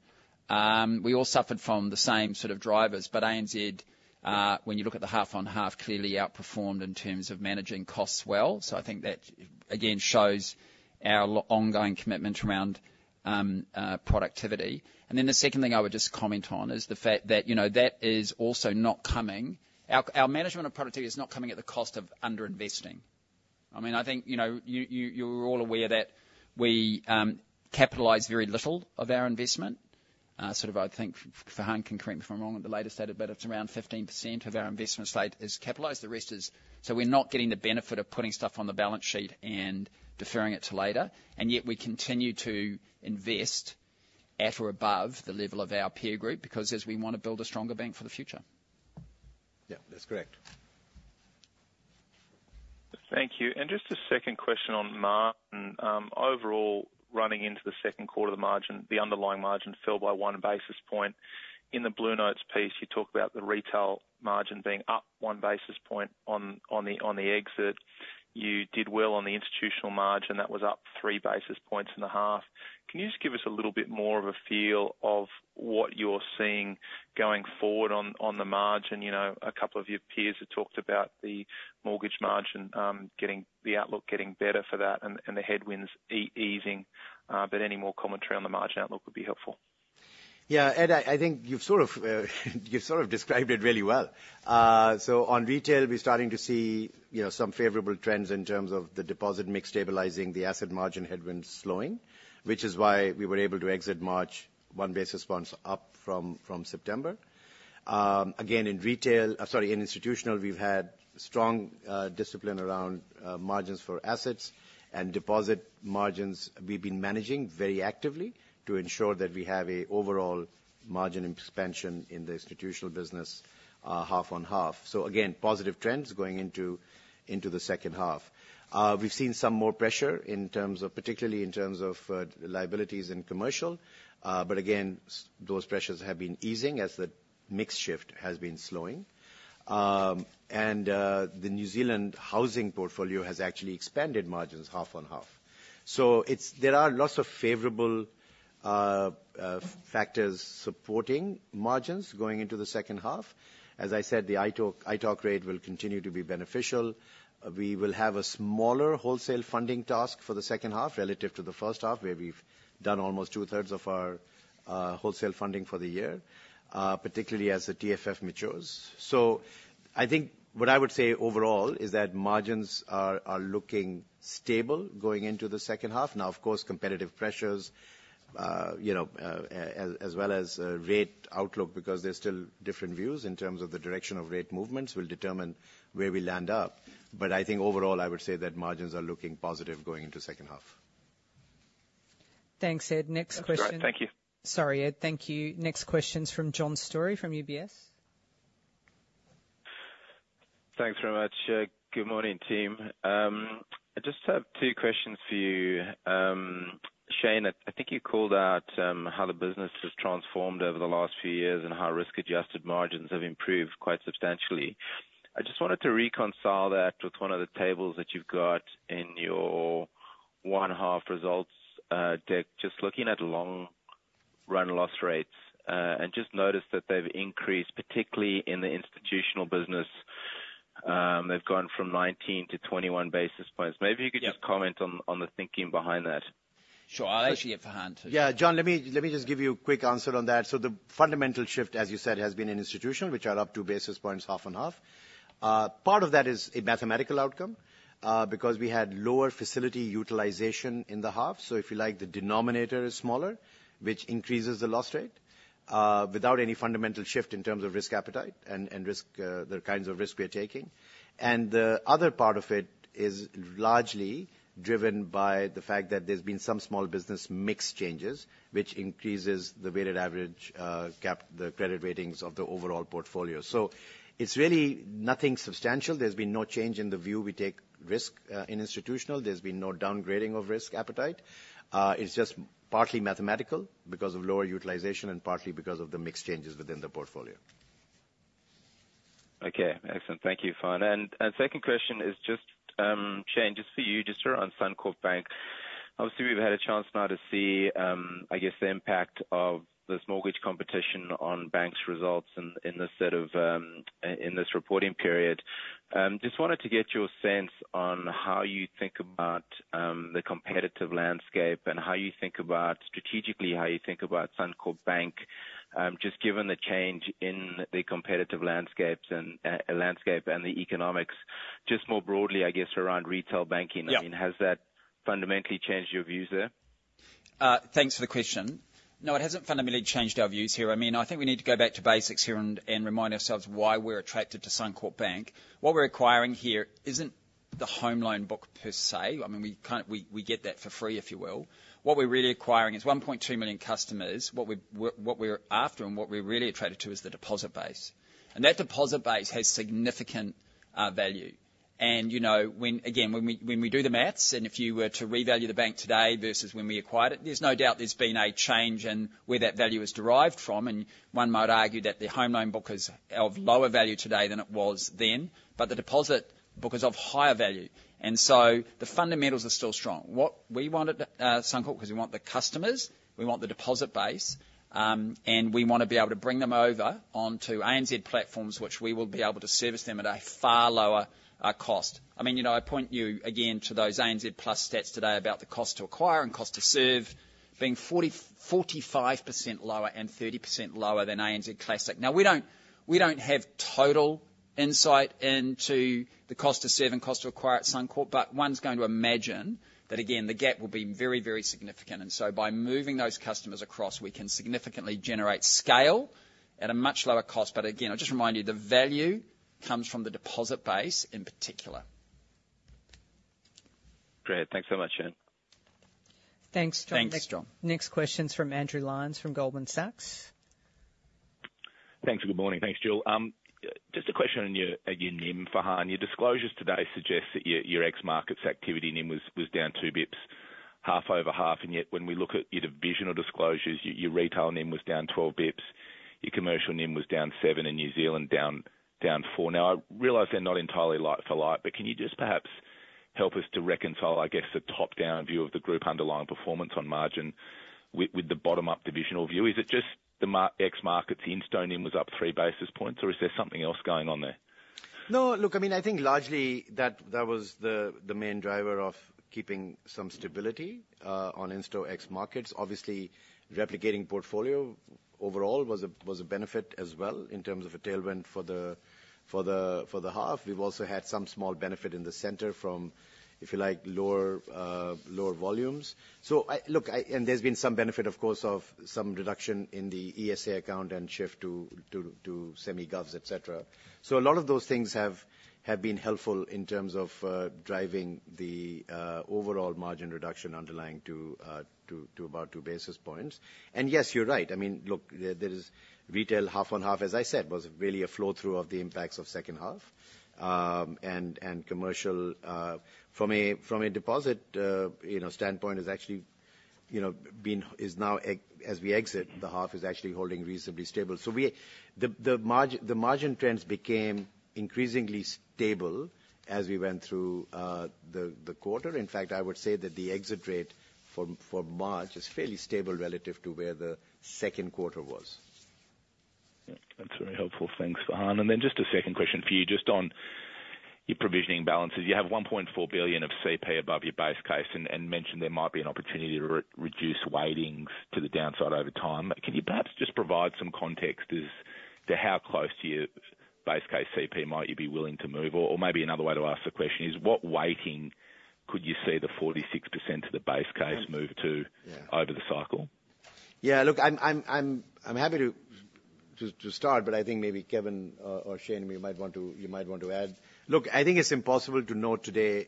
We all suffered from the same sort of drivers, but ANZ, when you look at the half-on-half, clearly outperformed in terms of managing costs well. So I think that, again, shows our ongoing commitment around productivity. And then the second thing I would just comment on is the fact that, you know, that is also not coming. Our management of productivity is not coming at the cost of underinvesting. I mean, I think, you know, you're all aware that we capitalize very little of our investment. Sort of I think, Farhan can correct me if I'm wrong on the latest data, but it's around 15% of our investment slate is capitalized. The rest is... So we're not getting the benefit of putting stuff on the balance sheet and deferring it to later, and yet we continue to invest at or above the level of our peer group, because as we want to build a stronger bank for the future. Yeah, that's correct. Thank you. Just a second question on margin. Overall, running into the second quarter of the margin, the underlying margin fell by one basis point. In the BlueNotes piece, you talked about the retail margin being up one basis point on the exit. You did well on the institutional margin, that was up three basis points in the half. Can you just give us a little bit more of a feel of what you're seeing going forward on the margin? You know, a couple of your peers have talked about the mortgage margin, the outlook getting better for that and the headwinds easing, but any more commentary on the margin outlook would be helpful. Yeah, Ed, I think you've sort of described it really well. So on retail, we're starting to see, you know, some favorable trends in terms of the deposit mix stabilizing, the asset margin headwinds slowing, which is why we were able to exit March 1 basis points up from September. Again, in retail, sorry, in institutional, we've had strong discipline around margins for assets and deposit margins we've been managing very actively to ensure that we have a overall margin expansion in the institutional business, half-on-half. So again, positive trends going into the second half. We've seen some more pressure in terms of, particularly in terms of, liabilities in commercial. But again, those pressures have been easing as the mix shift has been slowing. And, the New Zealand housing portfolio has actually expanded margins half-on-half. So it's there are lots of favorable factors supporting margins going into the second half. As I said, the ITOC, ITOC rate will continue to be beneficial. We will have a smaller wholesale funding task for the second half relative to the first half, where we've done almost 2/3 of our wholesale funding for the year, particularly as the TFF matures. So I think what I would say overall is that margins are, are looking stable going into the second half. Now, of course, competitive pressures, you know, as well as rate outlook, because there's still different views in terms of the direction of rate movements, will determine where we land up. But I think overall, I would say that margins are looking positive going into second half. Thanks, Ed. Next question. All right, thank you. Sorry, Ed. Thank you. Next question is from John Storey from UBS. Thanks very much. Good morning, team. I just have two questions for you. Shayne, I think you called out how the business has transformed over the last few years and how risk-adjusted margins have improved quite substantially. I just wanted to reconcile that with one of the tables that you've got in your 1H results deck, just looking at long run loss rates, and just noticed that they've increased, particularly in the institutional business. They've gone from 19 basis points to 21 basis points. Yeah. Maybe you could just comment on the thinking behind that. Sure, I'll actually get Farhan to- Yeah, John, let me, let me just give you a quick answer on that. So the fundamental shift, as you said, has been in institutional, which are up 2 basis points, half-on-half. Part of that is a mathematical outcome, because we had lower facility utilization in the half. So if you like, the denominator is smaller, which increases the loss rate, without any fundamental shift in terms of risk appetite and risk, the kinds of risk we are taking. And the other part of it is largely driven by the fact that there's been some small business mix changes, which increases the weighted average, the credit ratings of the overall portfolio. So it's really nothing substantial. There's been no change in the view we take risk, in institutional. There's been no downgrading of risk appetite. It's just partly mathematical because of lower utilization and partly because of the mix changes within the portfolio. Okay, excellent. Thank you, Farhan. And second question is just, Shayne, just for you, just around Suncorp Bank. Obviously, we've had a chance now to see, I guess, the impact of this mortgage competition on banks' results in this reporting period. Just wanted to get your sense on how you think about the competitive landscape and how you think about, strategically, how you think about Suncorp Bank, just given the change in the competitive landscapes and landscape and the economics, just more broadly, I guess, around retail banking. Yeah. I mean, has that fundamentally changed your views there? Thanks for the question. No, it hasn't fundamentally changed our views here. I mean, I think we need to go back to basics here and remind ourselves why we're attracted to Suncorp Bank. What we're acquiring here isn't the home loan book per se. I mean, we get that for free, if you will. What we're really acquiring is 1.2 million customers. What we're after and what we're really attracted to is the deposit base. And that deposit base has significant value. And, you know, when again we do the math, and if you were to revalue the bank today versus when we acquired it, there's no doubt there's been a change in where that value is derived from, and one might argue that the home loan book is of lower value today than it was then, but the deposit book is of higher value. So the fundamentals are still strong. What we want at Suncorp, 'cause we want the customers, we want the deposit base, and we want to be able to bring them over onto ANZ platforms, which we will be able to service them at a far lower cost. I mean, you know, I point you again to those ANZ Plus stats today about the cost to acquire and cost to serve being 40%-45% lower and 30% lower than ANZ Classic. Now, we don't, we don't have total insight into the cost to serve and cost to acquire at Suncorp, but one's going to imagine that, again, the gap will be very, very significant. And so by moving those customers across, we can significantly generate scale at a much lower cost. But again, I'll just remind you, the value comes from the deposit base in particular. Great. Thanks so much, Shayne. Thanks, John. Thanks, John. Next question's from Andrew Lyons, from Goldman Sachs. Thanks, and good morning. Thanks, Jill. Just a question on your, on your NIM, Farhan. Your disclosures today suggest that your, your ex-markets activity NIM was down 2 basis points half over half, and yet when we look at your divisional disclosures, your retail NIM was down 12 basis points, your commercial NIM was down seven, in New Zealand, down four. Now, I realize they're not entirely like for like, but can you just perhaps help us to reconcile, I guess, the top-down view of the group underlying performance on margin with the bottom-up divisional view? Is it just the ex-markets, the Institutional NIM was up 3 basis points, or is there something else going on there? No, look, I mean, I think largely that was the main driver of keeping some stability on Institutional ex markets. Obviously, replicating portfolio overall was a benefit as well in terms of a tailwind for the half. We've also had some small benefit in the center from, if you like, lower volumes. So look, I... And there's been some benefit, of course, of some reduction in the ESA account and shift to semi-govs, et cetera. So a lot of those things have been helpful in terms of driving the overall margin reduction underlying to about two basis points. And yes, you're right. I mean, look, there is retail half on half, as I said, was really a flow-through of the impacts of second half. And commercial, from a deposit, you know, standpoint, has actually, you know, been; is now as we exit, the half is actually holding reasonably stable. So the margin trends became increasingly stable as we went through the quarter. In fact, I would say that the exit rate for March is fairly stable relative to where the second quarter was. Yeah, that's very helpful. Thanks, Farhan. And then just a second question for you, just on your provisioning balances. You have 1.4 billion of CP above your base case and mentioned there might be an opportunity to reduce weightings to the downside over time. Can you perhaps just provide some context as to how close to your base case CP might you be willing to move? Or maybe another way to ask the question is, what weighting could you see the 46% to the base case move to? Yeah Over the cycle? Yeah, look, I'm happy to start, but I think maybe Kevin or Shayne, you might want to add. Look, I think it's impossible to know today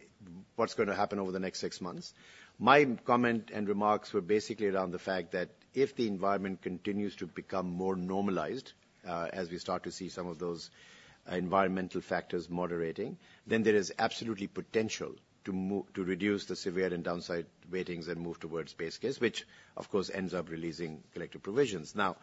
what's going to happen over the next six months. My comment and remarks were basically around the fact that if the environment continues to become more normalized, as we start to see some of those environmental factors moderating, then there is absolutely potential to reduce the severe and downside weightings and move towards base case, which of course ends up releasing collective provisions. Now,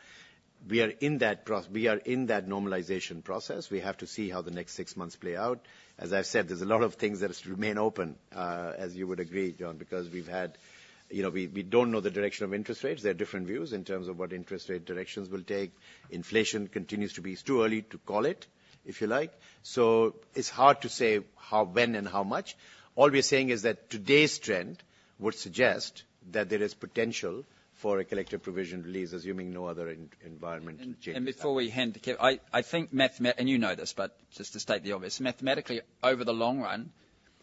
we are in that normalization process. We have to see how the next six months play out. As I've said, there's a lot of things that remain open, as you would agree, John, because we've had—you know, we, we don't know the direction of interest rates. There are different views in terms of what interest rate directions will take. Inflation continues to be it's too early to call it, if you like. So it's hard to say how, when and how much. All we're saying is that today's trend would suggest that there is potential for a collective provision release, assuming no other environmental changes. And before we hand to Kevin, I think, and you know this, but just to state the obvious, mathematically, over the long run,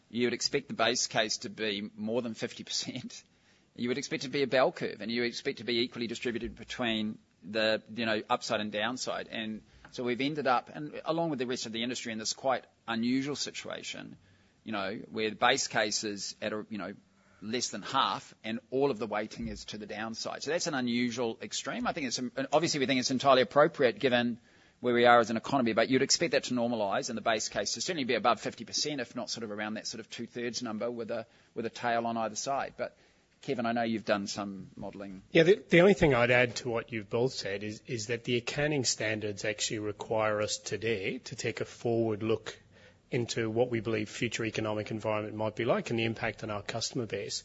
you would expect the base case to be more than 50%. You would expect it to be a bell curve, and you would expect to be equally distributed between the, you know, upside and downside. And so we've ended up, and along with the rest of the industry, in this quite unusual situation, you know, where the base case is at a, you know, less than half, and all of the weighting is to the downside. So that's an unusual extreme. I think it's, and obviously, we think it's entirely appropriate, given where we are as an economy, but you'd expect that to normalize in the base case. Certainly be above 50%, if not sort of around that sort of 2/3 number with a tail on either side. But Kevin, I know you've done some modeling. Yeah, the only thing I'd add to what you've both said is that the accounting standards actually require us today to take a forward look into what we believe future economic environment might be like and the impact on our customer base.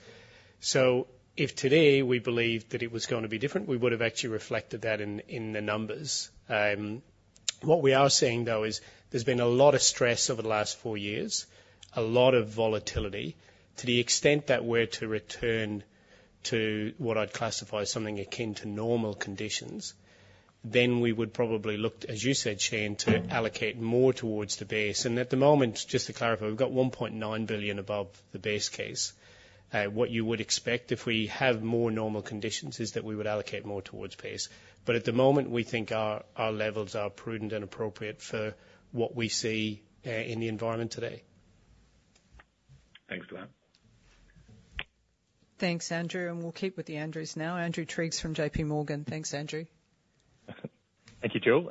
So if today we believed that it was going to be different, we would have actually reflected that in the numbers. What we are seeing, though, is there's been a lot of stress over the last four years, a lot of volatility. To the extent that we're to return to what I'd classify as something akin to normal conditions, then we would probably look, as you said, Shayne, to allocate more towards the base. And at the moment, just to clarify, we've got 1.9 billion above the base case. What you would expect if we have more normal conditions, is that we would allocate more towards base. But at the moment, we think our levels are prudent and appropriate for what we see in the environment today. Thanks, Glenn. Thanks, Andrew. We'll keep with the Andrews now. Andrew Triggs from JPMorgan. Thanks, Andrew. Thank you, Jill.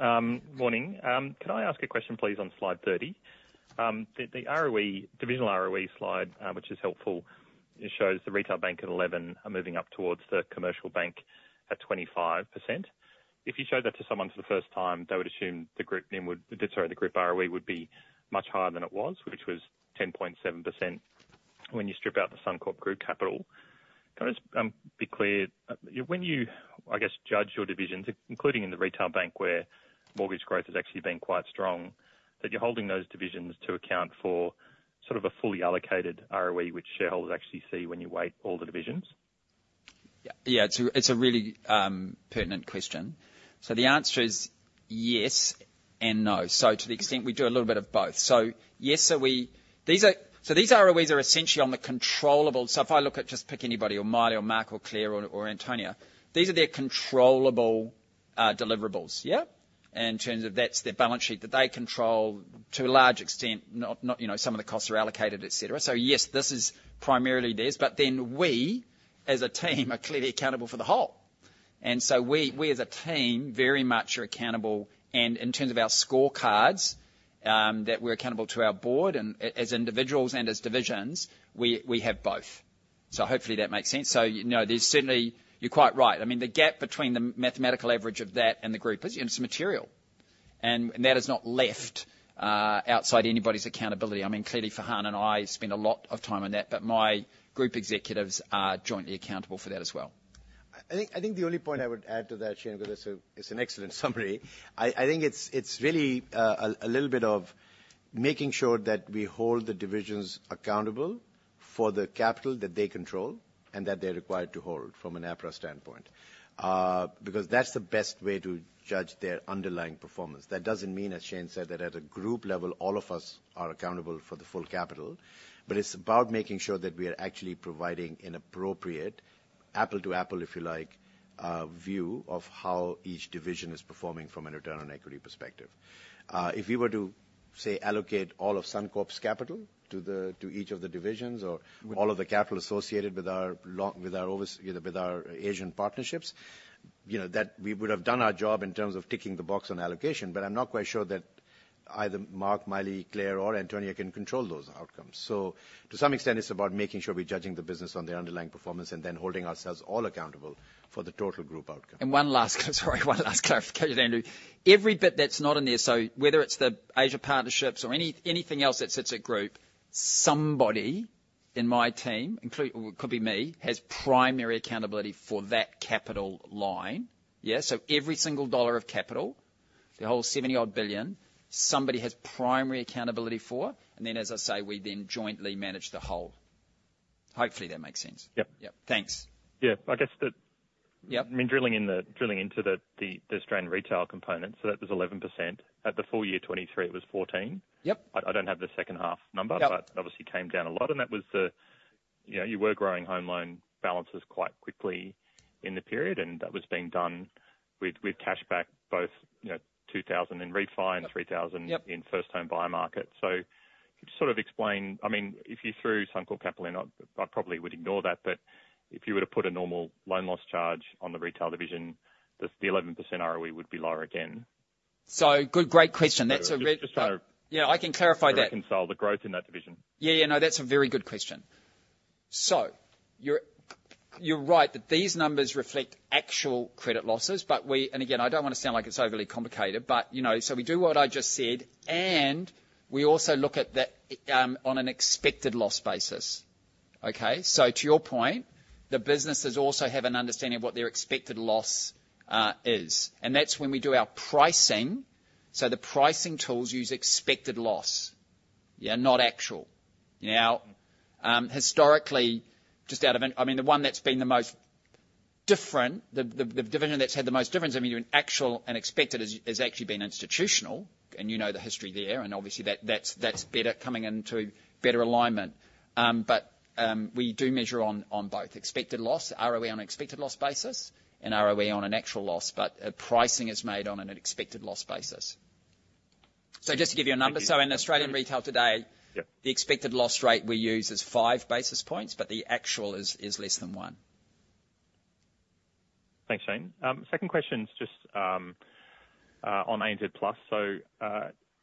Morning. Can I ask a question, please, on slide 30? The ROE, divisional ROE slide, which is helpful, it shows the retail bank at 11 are moving up towards the commercial bank at 25%. If you showed that to someone for the first time, they would assume the group name would-- sorry, the group ROE would be much higher than it was, which was 10.7%. When you strip out the Suncorp Group capital, can I just be clear, when you, I guess, judge your divisions, including in the retail bank, where mortgage growth has actually been quite strong, that you're holding those divisions to account for sort of a fully allocated ROE, which shareholders actually see when you weight all the divisions? Yeah, yeah, it's a really pertinent question. So the answer is yes and no. So to the extent, we do a little bit of both. So yes, these ROEs are essentially on the controllable. So if I look at, just pick anybody, or Maile or Mark or Clare or, or Antonia, these are their controllable deliverables. Yeah? In terms of that's their balance sheet that they control to a large extent, not you know, some of the costs are allocated, et cetera. So yes, this is primarily theirs, but then we, as a team, are clearly accountable for the whole. And so we, as a team, very much are accountable. And in terms of our scorecards, that we're accountable to our board and as individuals and as divisions, we have both. So hopefully that makes sense. So, you know, there's certainly... You're quite right. I mean, the gap between the mathematical average of that and the group is, you know, it's material. And that is not left, uh, outside anybody's accountability. I mean, clearly, Farhan and I spend a lot of time on that, but my group executives are jointly accountable for that as well. I think the only point I would add to that, Shayne, because it's an excellent summary. I think it's really a little bit of making sure that we hold the divisions accountable for the capital that they control, and that they're required to hold from an APRA standpoint. Because that's the best way to judge their underlying performance. That doesn't mean, as Shayne said, that at a group level, all of us are accountable for the full capital, but it's about making sure that we are actually providing an appropriate apple-to-apple, if you like, view of how each division is performing from a return on equity perspective. If we were to, say, allocate all of Suncorp's capital to each of the divisions or all of the capital associated with our Asian partnerships, you know, that we would have done our job in terms of ticking the box on allocation, but I'm not quite sure that either Mark, Maile, Clare, or Antonia can control those outcomes. So to some extent, it's about making sure we're judging the business on the underlying performance and then holding ourselves all accountable for the total group outcome. One last, sorry, one last clarification, Andrew. Every bit that's not in there, so whether it's the Asia partnerships or anything else that sits at group, somebody in my team, including, could be me, has primary accountability for that capital line. Yeah, so every single dollar of capital, the whole 70+ billion, somebody has primary accountability for, and then, as I say, we then jointly manage the whole. Hopefully, that makes sense. Yep. Yep. Thanks. Yeah, I guess the. Yep. I mean, drilling into the Australian retail component, so that was 11%. At the full year 2023, it was 14%. Yep. I don't have the second half number- Yep. But obviously came down a lot, and that was the... You know, you were growing home loan balances quite quickly in the period, and that was being done with, with cashback, both, you know, 2,000 in refi and 3,000- Yep. In first-time buyer market. So could you sort of explain, I mean, if you threw Suncorp capital in, I probably would ignore that, but if you were to put a normal loan loss charge on the retail division, the 11% ROE would be lower again. So, good, great question. That's a re- Just so. Yeah, I can clarify that. Reconcile the growth in that division. Yeah, yeah. No, that's a very good question. So you're, you're right that these numbers reflect actual credit losses, but we-- and again, I don't want to sound like it's overly complicated, but, you know, so we do what I just said, and we also look at the, on an expected loss basis. Okay? So to your point, the businesses also have an understanding of what their expected loss, is. And that's when we do our pricing. So the pricing tools use expected loss, yeah, not actual. Now, historically, I mean, the one that's been the most different, the, the, the division that's had the most difference, I mean, in actual and expected has, has actually been institutional, and you know the history there, and obviously, that, that's, that's better coming into better alignment. But we do measure on both expected loss, ROE on expected loss basis and ROE on an actual loss, but pricing is made on an expected loss basis. Thank you. Just to give you a number, so in Australian retail today. Yep The expected loss rate we use is 5 basis points, but the actual is less than 1 basis point. Thanks, Shayne. Second question is just on ANZ Plus. So,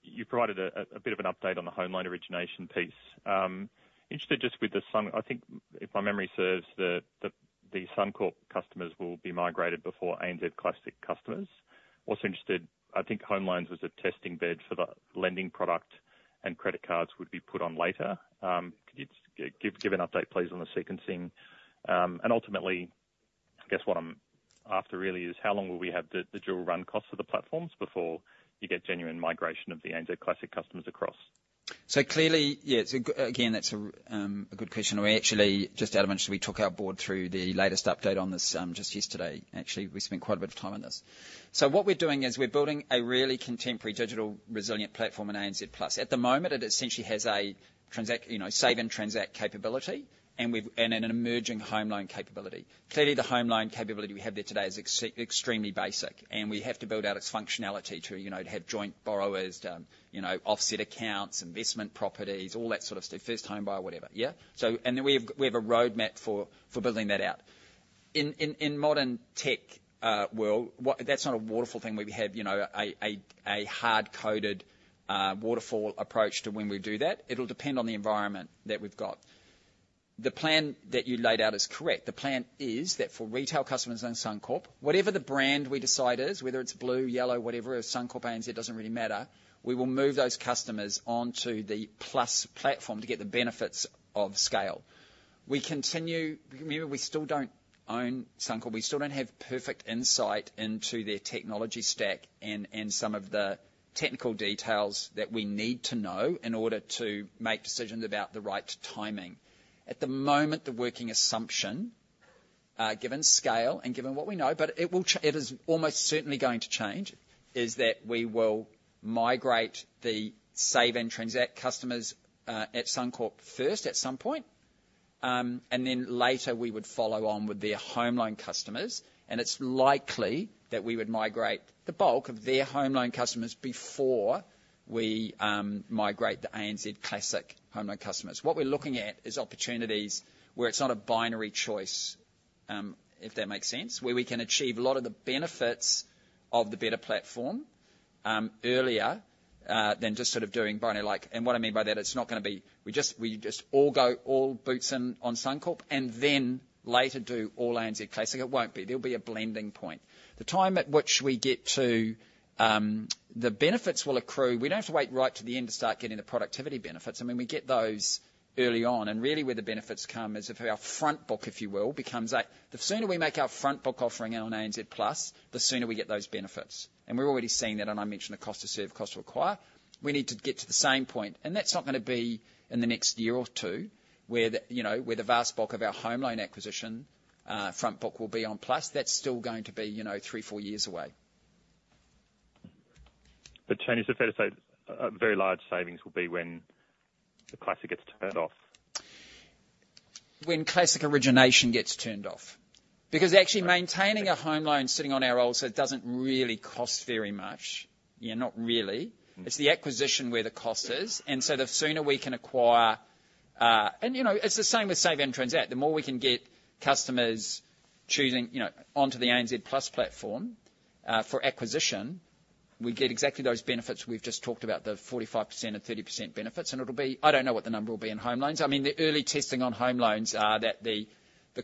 you provided a bit of an update on the home loan origination piece. Interested just with the Suncorp, I think if my memory serves, the Suncorp customers will be migrated before ANZ Classic customers. Also interested, I think home loans was a testing bed for the lending product, and credit cards would be put on later. Could you just give an update, please, on the sequencing? And ultimately, I guess what I'm after really is, how long will we have the dual run cost of the platforms before you get genuine migration of the ANZ Classic customers across? So clearly, yeah, it's a good question. We actually, just out of interest, we took our board through the latest update on this, just yesterday. Actually, we spent quite a bit of time on this. So what we're doing is we're building a really contemporary digital resilient platform in ANZ Plus. At the moment, it essentially has a transact, you know, save and transact capability, and an emerging home loan capability. Clearly, the home loan capability we have there today is extremely basic, and we have to build out its functionality to, you know, to have joint borrowers, you know, offset accounts, investment properties, all that sort of stuff, first home buyer, whatever, yeah? So and then we have a roadmap for building that out. In modern tech world, what. That's not a waterfall thing where we have, you know, a hard-coded waterfall approach to when we do that. It'll depend on the environment that we've got. The plan that you laid out is correct. The plan is that for retail customers and Suncorp, whatever the brand we decide is, whether it's blue, yellow, whatever, Suncorp, ANZ, it doesn't really matter, we will move those customers onto the Plus platform to get the benefits of scale. We continue... Remember, we still don't own Suncorp. We still don't have perfect insight into their technology stack and some of the technical details that we need to know in order to make decisions about the right timing. At the moment, the working assumption, given scale and given what we know, but it will, it is almost certainly going to change, is that we will migrate the save and transact customers at Suncorp first, at some point, and then later, we would follow on with their home loan customers, and it's likely that we would migrate the bulk of their home loan customers before we migrate the ANZ Classic home loan customers. What we're looking at is opportunities where it's not a binary choice, if that makes sense, where we can achieve a lot of the benefits of the better platform earlier than just sort of doing binary like... And what I mean by that, it's not gonna be, we just, we just all go all boots in on Suncorp, and then later, do all ANZ Classic. It won't be. There'll be a blending point. The time at which we get to the benefits will accrue. We don't have to wait right to the end to start getting the productivity benefits. I mean, we get those early on, and really, where the benefits come is if our front book, if you will, becomes a... The sooner we make our front book offering on ANZ Plus, the sooner we get those benefits. We're already seeing that, and I mentioned the cost to serve, cost to acquire. We need to get to the same point, and that's not gonna be in the next year or two, where the, you know, where the vast bulk of our home loan acquisition, front book will be on Plus. That's still going to be, you know, three, four years away. Shayne, is it fair to say very large savings will be when the Classic gets turned off? When Classic origination gets turned off. Right. Because actually, maintaining a home loan, sitting on our rolls, it doesn't really cost very much. Yeah, not really. Mm-hmm. It's the acquisition where the cost is, and so the sooner we can acquire. And, you know, it's the same with save and transact. The more we can get customers choosing, you know, onto the ANZ Plus platform, for acquisition, we get exactly those benefits we've just talked about, the 45% and 30% benefits, and it'll be. I don't know what the number will be in home loans. I mean, the early testing on home loans are that the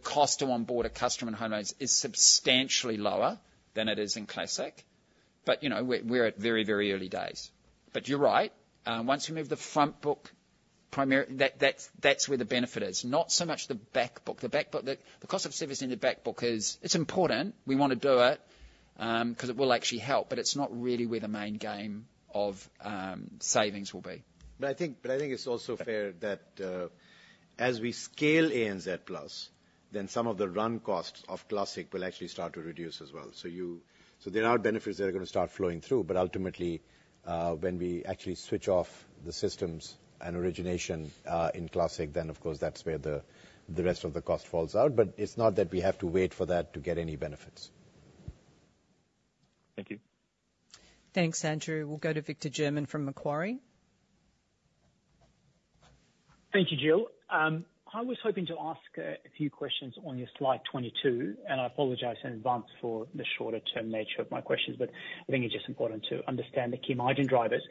cost to onboard a customer in home loans is substantially lower than it is in Classic. But, you know, we're at very, very early days. But you're right, once you move the front book primary, that's where the benefit is. Not so much the back book. The back book, the cost of servicing the back book is, it's important. We want to do it, 'cause it will actually help, but it's not really where the main game of savings will be. But I think, but I think it's also fair that, as we scale ANZ Plus, then some of the run costs of Classic will actually start to reduce as well. So there are benefits that are gonna start flowing through, but ultimately, when we actually switch off the systems and origination in Classic, then, of course, that's where the rest of the cost falls out, but it's not that we have to wait for that to get any benefits. Thank you. Thanks, Andrew. We'll go to Victor German from Macquarie. Thank you, Jill. I was hoping to ask a few questions on your slide 22, and I apologize in advance for the shorter term nature of my questions, but I think it's just important to understand the key margin drivers.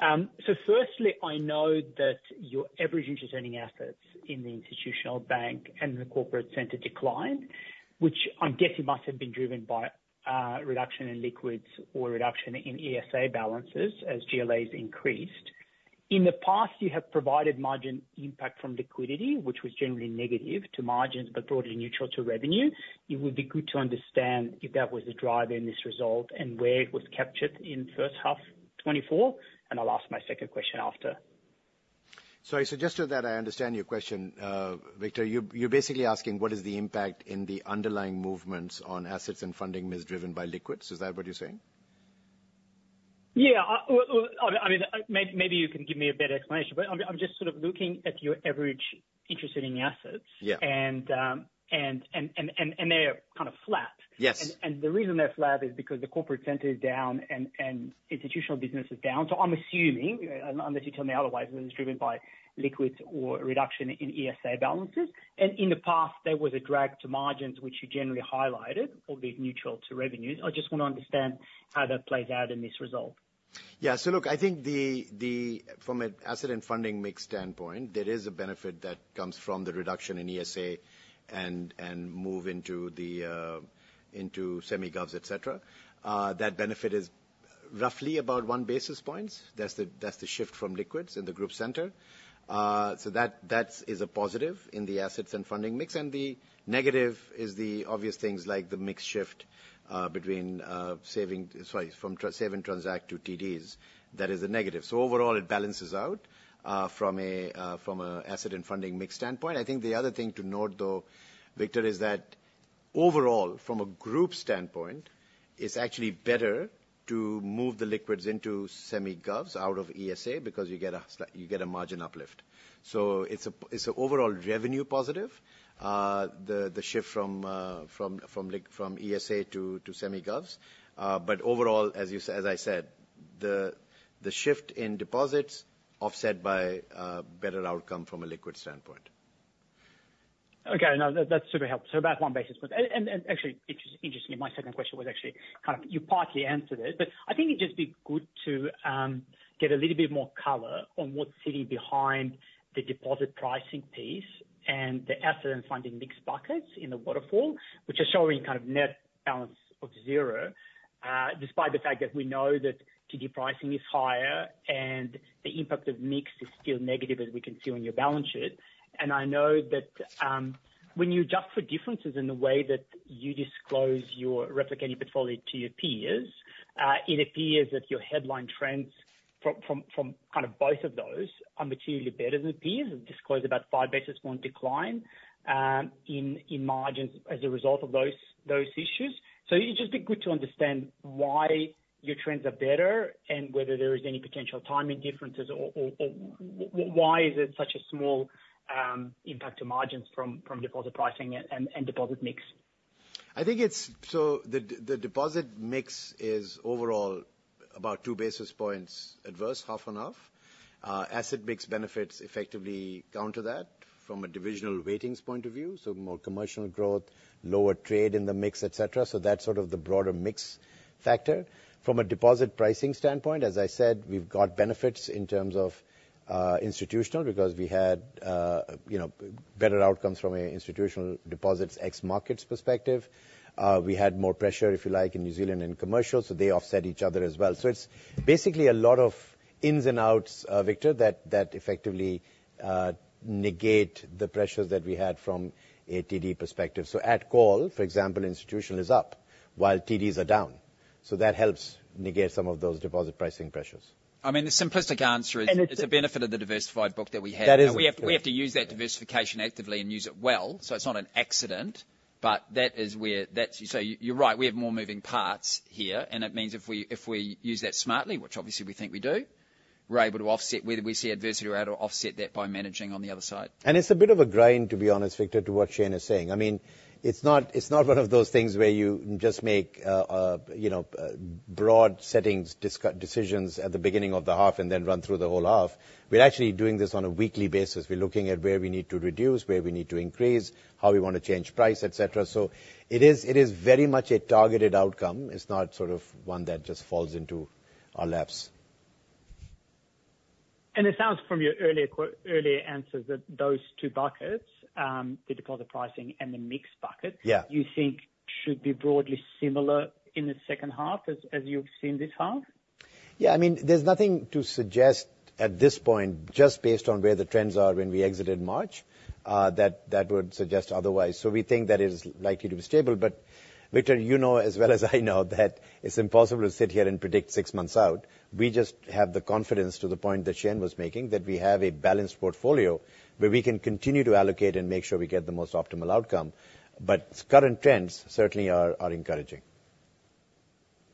So firstly, I know that your average interest earning assets in the institutional bank and the corporate center declined, which I'm guessing must have been driven by reduction in liquids or reduction in ESA balances as GLAs increased. In the past, you have provided margin impact from liquidity, which was generally negative to margins, but broadly neutral to revenue. It would be good to understand if that was a driver in this result and where it was captured in first half 2024, and I'll ask my second question after. So I suggest that I understand your question, Victor. You, you're basically asking, what is the impact in the underlying movements on assets and funding misdriven by liquids? Is that what you're saying? Yeah, well, I mean, maybe you can give me a better explanation, but I'm just sort of looking at your average interest in assets- Yeah. and they are kind of flat. Yes. The reason they're flat is because the corporate center is down and institutional business is down. So I'm assuming, unless you tell me otherwise, it was driven by liquids or reduction in ESA balances, and in the past, there was a drag to margins, which you generally highlighted or be neutral to revenues. I just want to understand how that plays out in this result. Yeah. So look, I think from an asset and funding mix standpoint, there is a benefit that comes from the reduction in ESA and move into the semi-govs, et cetera. That benefit is roughly about 1 basis point. That's the shift from liquids in the group center. So that is a positive in the assets and funding mix, and the negative is the obvious things like the mix shift between savings - sorry, from savings and transaction to TDs. That is a negative. So overall, it balances out from an asset and funding mix standpoint. I think the other thing to note, though, Victor, is that overall, from a group standpoint, it's actually better to move the liquids into semi-govs out of ESA, because you get a margin uplift. So it's an overall revenue positive, the shift from ESA to semi-govs. But overall, as I said, the shift in deposits offset by better outcome from a liquid standpoint. Okay. No, that, that's super helpful. So about one basis point. And actually, interestingly, my second question was actually, kind of you partly answered it, but I think it'd just be good to get a little bit more color on what's sitting behind the deposit pricing piece and the asset and funding mix buckets in the waterfall, which are showing kind of net balance of zero, despite the fact that we know that TD pricing is higher and the impact of mix is still negative, as we can see on your balance sheet. And I know that, when you adjust for differences in the way that you disclose your replicating portfolio to your peers, it appears that your headline trends from kind of both of those are materially better than peers. disclose about 5 basis points decline in margins as a result of those issues. So it'd just be good to understand why your trends are better and whether there is any potential timing differences, or why is it such a small impact to margins from deposit pricing and deposit mix? I think it's so the deposit mix is overall about two basis points adverse, half and half. Asset mix benefits effectively counter that from a divisional weightings point of view, so more commercial growth, lower trade in the mix, et cetera. So that's sort of the broader mix factor. From a deposit pricing standpoint, as I said, we've got benefits in terms of institutional, because we had you know, better outcomes from a institutional deposits ex markets perspective. We had more pressure, if you like, in New Zealand and commercial, so they offset each other as well. So it's basically a lot of ins and outs, Victor, that effectively negate the pressures that we had from a TD perspective. So at call, for example, institutional is up while TDs are down, so that helps negate some of those deposit pricing pressures. I mean, the simplistic answer is. And it. It's a benefit of the diversified book that we have. That is it. We have to use that diversification actively and use it well, so it's not an accident. But that is where that's. So you're right, we have more moving parts here, and it means if we use that smartly, which obviously we think we do, we're able to offset whether we see adversity, we're able to offset that by managing on the other side. It's a bit of a grind, to be honest, Victor, to what Shayne is saying. I mean, it's not, it's not one of those things where you just make, you know, broad settings decisions at the beginning of the half and then run through the whole half. We're actually doing this on a weekly basis. We're looking at where we need to reduce, where we need to increase, how we want to change price, et cetera. So it is, it is very much a targeted outcome. It's not sort of one that just falls into our laps. It sounds from your earlier answers, that those two buckets, the deposit pricing and the mix bucket. Yeah You think should be broadly similar in the second half as you've seen this half? Yeah, I mean, there's nothing to suggest at this point, just based on where the trends are when we exited in March, that that would suggest otherwise. So we think that is likely to be stable. But Victor, you know as well as I know that it's impossible to sit here and predict six months out. We just have the confidence to the point that Shayne was making, that we have a balanced portfolio where we can continue to allocate and make sure we get the most optimal outcome. But current trends certainly are encouraging.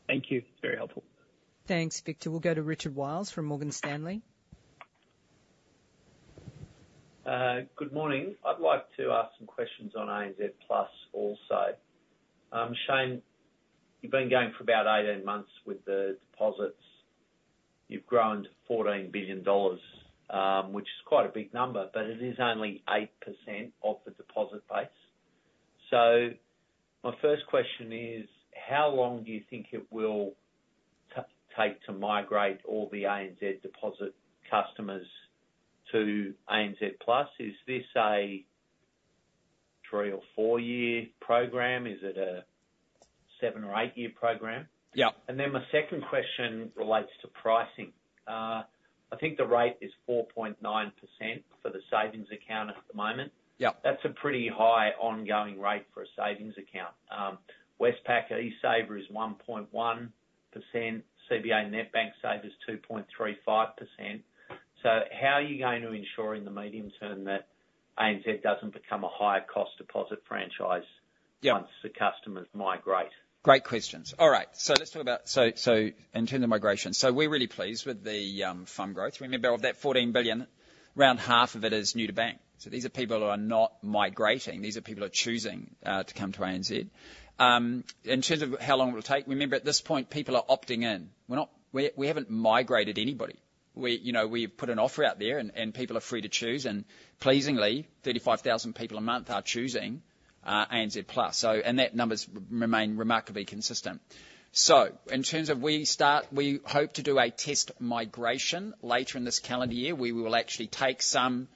Thank you. Very helpful. Thanks, Victor. We'll go to Richard Wiles from Morgan Stanley. Good morning. I'd like to ask some questions on ANZ Plus also. Shayne, you've been going for about 18 months with the deposits. You've grown 14 billion dollars, which is quite a big number, but it is only 8% of the deposit base. So my first question is: How long do you think it will take to migrate all the ANZ deposit customers to ANZ Plus? Is this a three or four year program? Is it a seven or eight year program? Yeah. And then my second question relates to pricing. I think the rate is 4.9% for the savings account at the moment. Yeah. That's a pretty high ongoing rate for a savings account. Westpac eSaver is 1.1%, CBA NetBank Saver is 2.35%. So how are you going to ensure in the medium term that ANZ doesn't become a higher-cost deposit franchise? Yeah. Once the customers migrate? Great questions. All right, so let's talk about so in terms of migration, so we're really pleased with the fund growth. Remember, of that 14 billion, around half of it is new to bank, so these are people who are not migrating. These are people who are choosing to come to ANZ. In terms of how long it will take, remember, at this point, people are opting in. We're not we haven't migrated anybody. We, you know, we've put an offer out there and people are free to choose, and pleasingly, 35,000 people a month are choosing ANZ Plus, so. And that numbers remain remarkably consistent. So in terms of we start, we hope to do a test migration later in this calendar year, where we will actually take some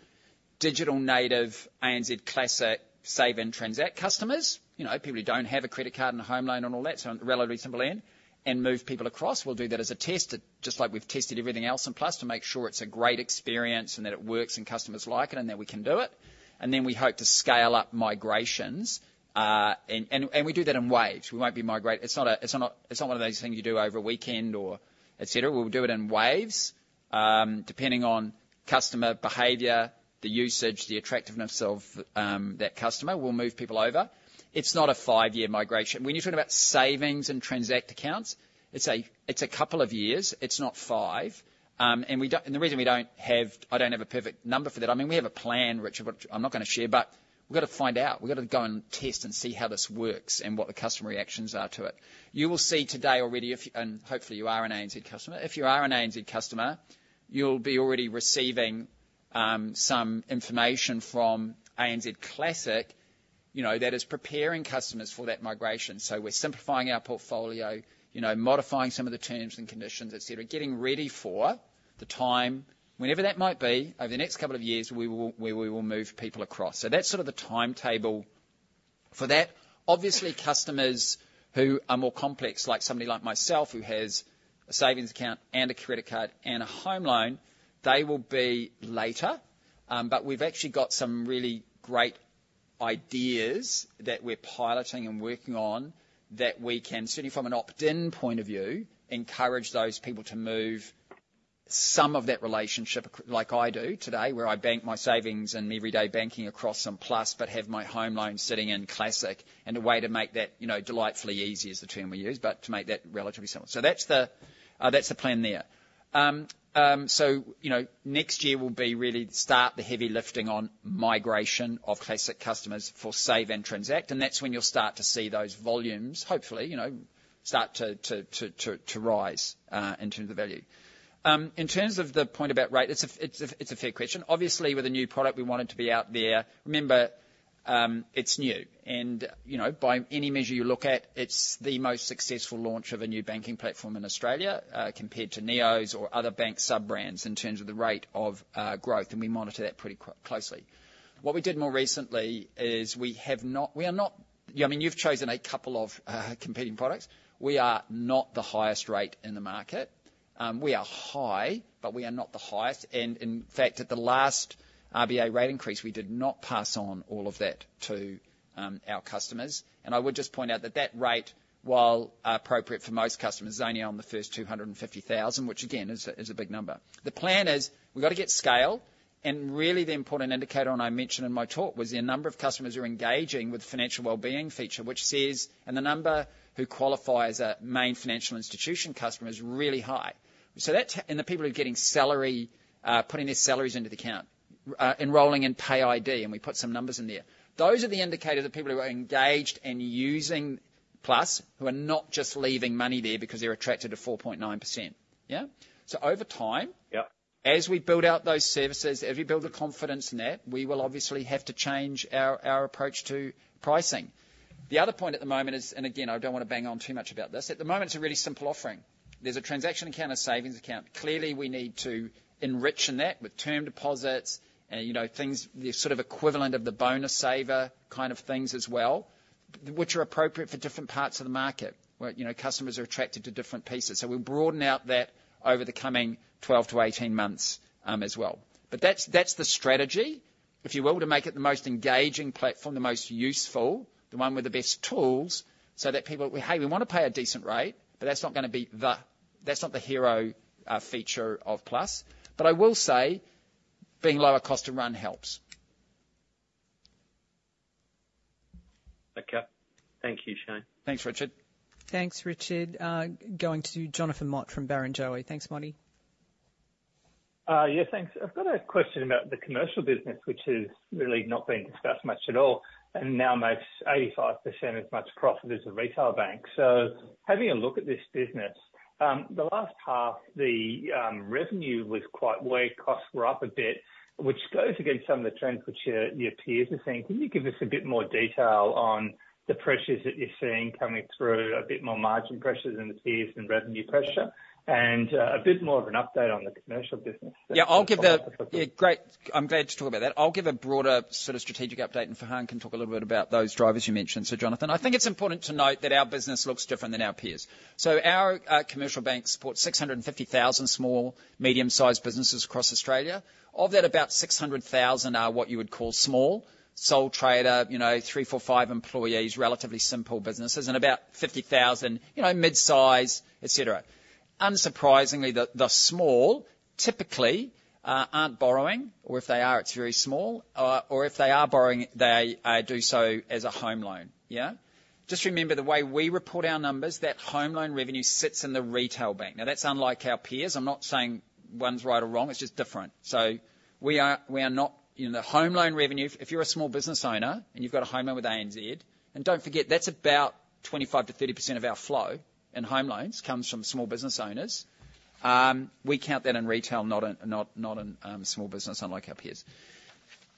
digital native ANZ Classic save and transact customers. You know, people who don't have a credit card and a home loan and all that, so a relatively simple end, and move people across. We'll do that as a test, just like we've tested everything else in Plus to make sure it's a great experience and that it works and customers like it and that we can do it. And then we hope to scale up migrations, and we do that in waves. It's not one of those things you do over a weekend or et cetera. We'll do it in waves, depending on customer behavior, the usage, the attractiveness of that customer, we'll move people over. It's not a five-year migration. When you're talking about savings and transact accounts, it's a couple of years, it's not five. And the reason we don't have—I don't have a perfect number for that. I mean, we have a plan, Richard, which I'm not gonna share, but we've got to find out. We've got to go and test and see how this works and what the customer reactions are to it. You will see today already, if and hopefully you are an ANZ customer. If you are an ANZ customer, you'll be already receiving some information from ANZ Classic, you know, that is preparing customers for that migration. So we're simplifying our portfolio, you know, modifying some of the terms and conditions, et cetera, getting ready for the time, whenever that might be, over the next couple of years, we will, where we will move people across. So that's sort of the timetable for that. Obviously, customers who are more complex, like somebody like myself, who has a savings account and a credit card and a home loan, they will be later. But we've actually got some really great ideas that we're piloting and working on, that we can, certainly from an opt-in point of view, encourage those people to move some of that relationship, like I do today, where I bank my savings and my everyday banking across on Plus, but have my home loan sitting in Classic. And a way to make that, you know, delightfully easy, is the term we use, but to make that relatively simple. So that's the plan there. So, you know, next year will be really start the heavy lifting on migration of Classic customers for save and transact, and that's when you'll start to see those volumes, hopefully, you know, start to rise in terms of the value. In terms of the point about rate, it's a fair question. Obviously, with a new product, we want it to be out there. Remember, it's new, and, you know, by any measure you look at, it's the most successful launch of a new banking platform in Australia compared to neos or other bank sub-brands, in terms of the rate of growth, and we monitor that pretty closely. We are not. I mean, you've chosen a couple of competing products. We are not the highest rate in the market. We are high, but we are not the highest. In fact, at the last RBA rate increase, we did not pass on all of that to our customers. I would just point out that that rate, while appropriate for most customers, is only on the first 250,000, which, again, is a big number. The plan is, we've got to get scale, and really, the important indicator, and I mentioned in my talk, was the number of customers who are engaging with the financial wellbeing feature, which says, and the number who qualify as a main financial institution customer is really high. So that's. The people who are getting salary, putting their salaries into the account, enrolling in PayID, and we put some numbers in there. Those are the indicators of people who are engaged and using Plus, who are not just leaving money there because they're attracted to 4.9%. Yeah? So over time. Yeah. As we build out those services, as we build the confidence in that, we will obviously have to change our, our approach to pricing. The other point at the moment is, and again, I don't want to bang on too much about this. At the moment, it's a really simple offering. There's a transaction account and a savings account. Clearly, we need to enrich in that with term deposits and, you know, things, the sort of equivalent of the bonus saver kind of things as well, which are appropriate for different parts of the market, where, you know, customers are attracted to different pieces. So we'll broaden out that over the coming 12-18 months, as well. But that's, that's the strategy, if you will, to make it the most engaging platform, the most useful, the one with the best tools, so that people- "Hey, we want to pay a decent rate," but that's not going to be the-- that's not the hero, feature of Plus. But I will say, being lower cost to run helps. Okay. Thank you, Shayne. Thanks, Richard. Thanks, Richard. Going to Jonathan Mott from Barrenjoey. Thanks, Motty. Yeah, thanks. I've got a question about the commercial business, which has really not been discussed much at all, and now makes 85% as much profit as the retail bank. So having a look at this business, the last half, the revenue was quite weak, costs were up a bit, which goes against some of the trends which your, your peers are seeing. Can you give us a bit more detail on the pressures that you're seeing coming through, a bit more margin pressures than the peers and revenue pressure? And, a bit more of an update on the commercial business. Yeah, great. I'm glad to talk about that. I'll give a broader sort of strategic update, and Farhan can talk a little bit about those drivers you mentioned. So, Jonathan, I think it's important to note that our business looks different than our peers. So our commercial bank supports 650,000 small, medium-sized businesses across Australia. Of that, about 600,000 are what you would call small. Sole trader, you know, three, four, five employees, relatively simple businesses, and about 50,000, you know, mid-size, et cetera. Unsurprisingly, the small typically aren't borrowing, or if they are, it's very small, or if they are borrowing, they do so as a home loan, yeah? Just remember, the way we report our numbers, that home loan revenue sits in the retail bank. Now, that's unlike our peers. I'm not saying one's right or wrong, it's just different. So we are not in the home loan revenue, if you're a small business owner and you've got a home loan with ANZ, and don't forget, that's about 25%-30% of our flow in home loans comes from small business owners. We count that in retail, not in small business, unlike our peers.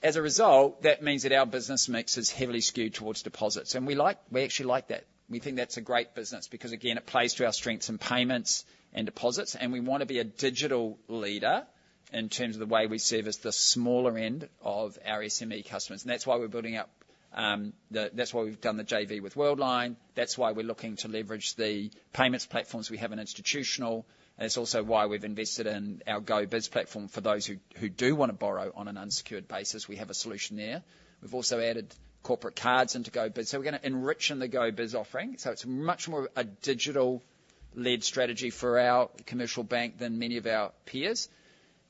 As a result, that means that our business mix is heavily skewed towards deposits, and we like, we actually like that. We think that's a great business because, again, it plays to our strengths in payments and deposits, and we want to be a digital leader in terms of the way we service the smaller end of our SME customers, and that's why we've done the JV with Worldline. That's why we're looking to leverage the payments platforms we have in institutional, and it's also why we've invested in our GoBiz platform. For those who, who do wanna borrow on an unsecured basis, we have a solution there. We've also added corporate cards into GoBiz. So we're gonna enrich in the GoBiz offering, so it's much more a digital-led strategy for our commercial bank than many of our peers.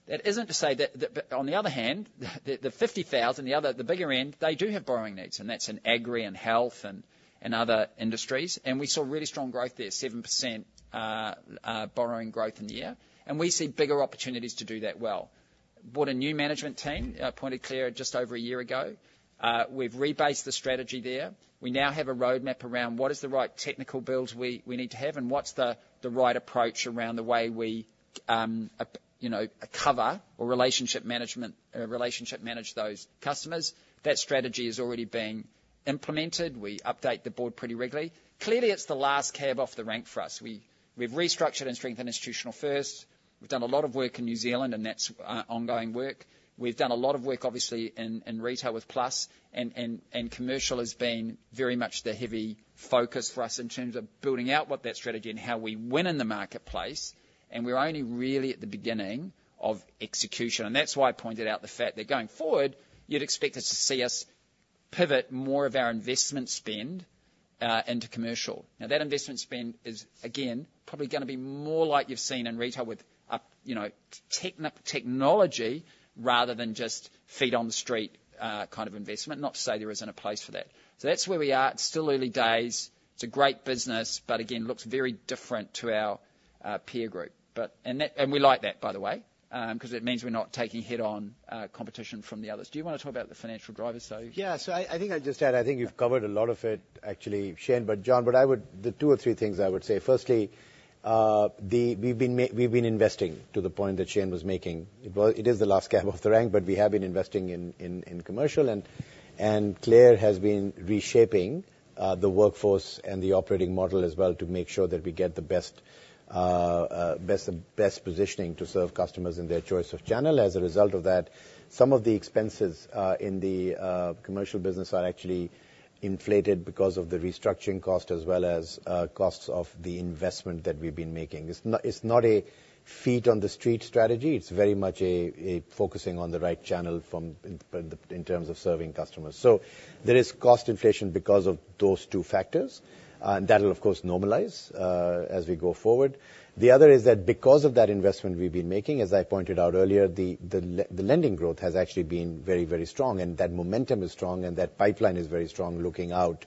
That isn't to say that... But on the other hand, the 50,000, the other, the bigger end, they do have borrowing needs, and that's in agri, and health, and other industries. And we saw really strong growth there, 7%, borrowing growth in the year. And we see bigger opportunities to do that well. Brought a new management team, appointed Clare just over a year ago. We've rebased the strategy there. We now have a roadmap around what is the right technical build we need to have, and what's the right approach around the way we, you know, cover or relationship management, relationship manage those customers. That strategy is already being implemented. We update the board pretty regularly. Clearly, it's the last cab off the rank for us. We've restructured and strengthened institutional first. We've done a lot of work in New Zealand, and that's ongoing work. We've done a lot of work, obviously, in retail with Plus, and Commercial has been very much the heavy focus for us in terms of building out what that strategy and how we win in the marketplace, and we're only really at the beginning of execution. That's why I pointed out the fact that going forward, you'd expect us to see us pivot more of our investment spend into commercial. Now, that investment spend is, again, probably gonna be more like you've seen in retail with up, you know, technology rather than just feet on the street kind of investment. Not to say there isn't a place for that. So that's where we are. It's still early days. It's a great business, but again, looks very different to our peer group. And we like that, by the way, 'cause it means we're not taking head-on competition from the others. Do you wanna talk about the financial drivers, though? Yeah. So I think I'd just add, I think you've covered a lot of it, actually, Shayne, but John. But I would – the two or three things I would say. Firstly, we've been investing to the point that Shayne was making. Well, it is the last cab off the rank, but we have been investing in commercial, and Clare has been reshaping the workforce and the operating model as well to make sure that we get the best positioning to serve customers in their choice of channel. As a result of that, some of the expenses in the commercial business are actually inflated because of the restructuring cost as well as costs of the investment that we've been making. It's not a feet on the street strategy. It's very much a focusing on the right channel from in terms of serving customers. So there is cost inflation because of those two factors that will, of course, normalize as we go forward. The other is that because of that investment we've been making, as I pointed out earlier, the lending growth has actually been very, very strong, and that momentum is strong, and that pipeline is very strong looking out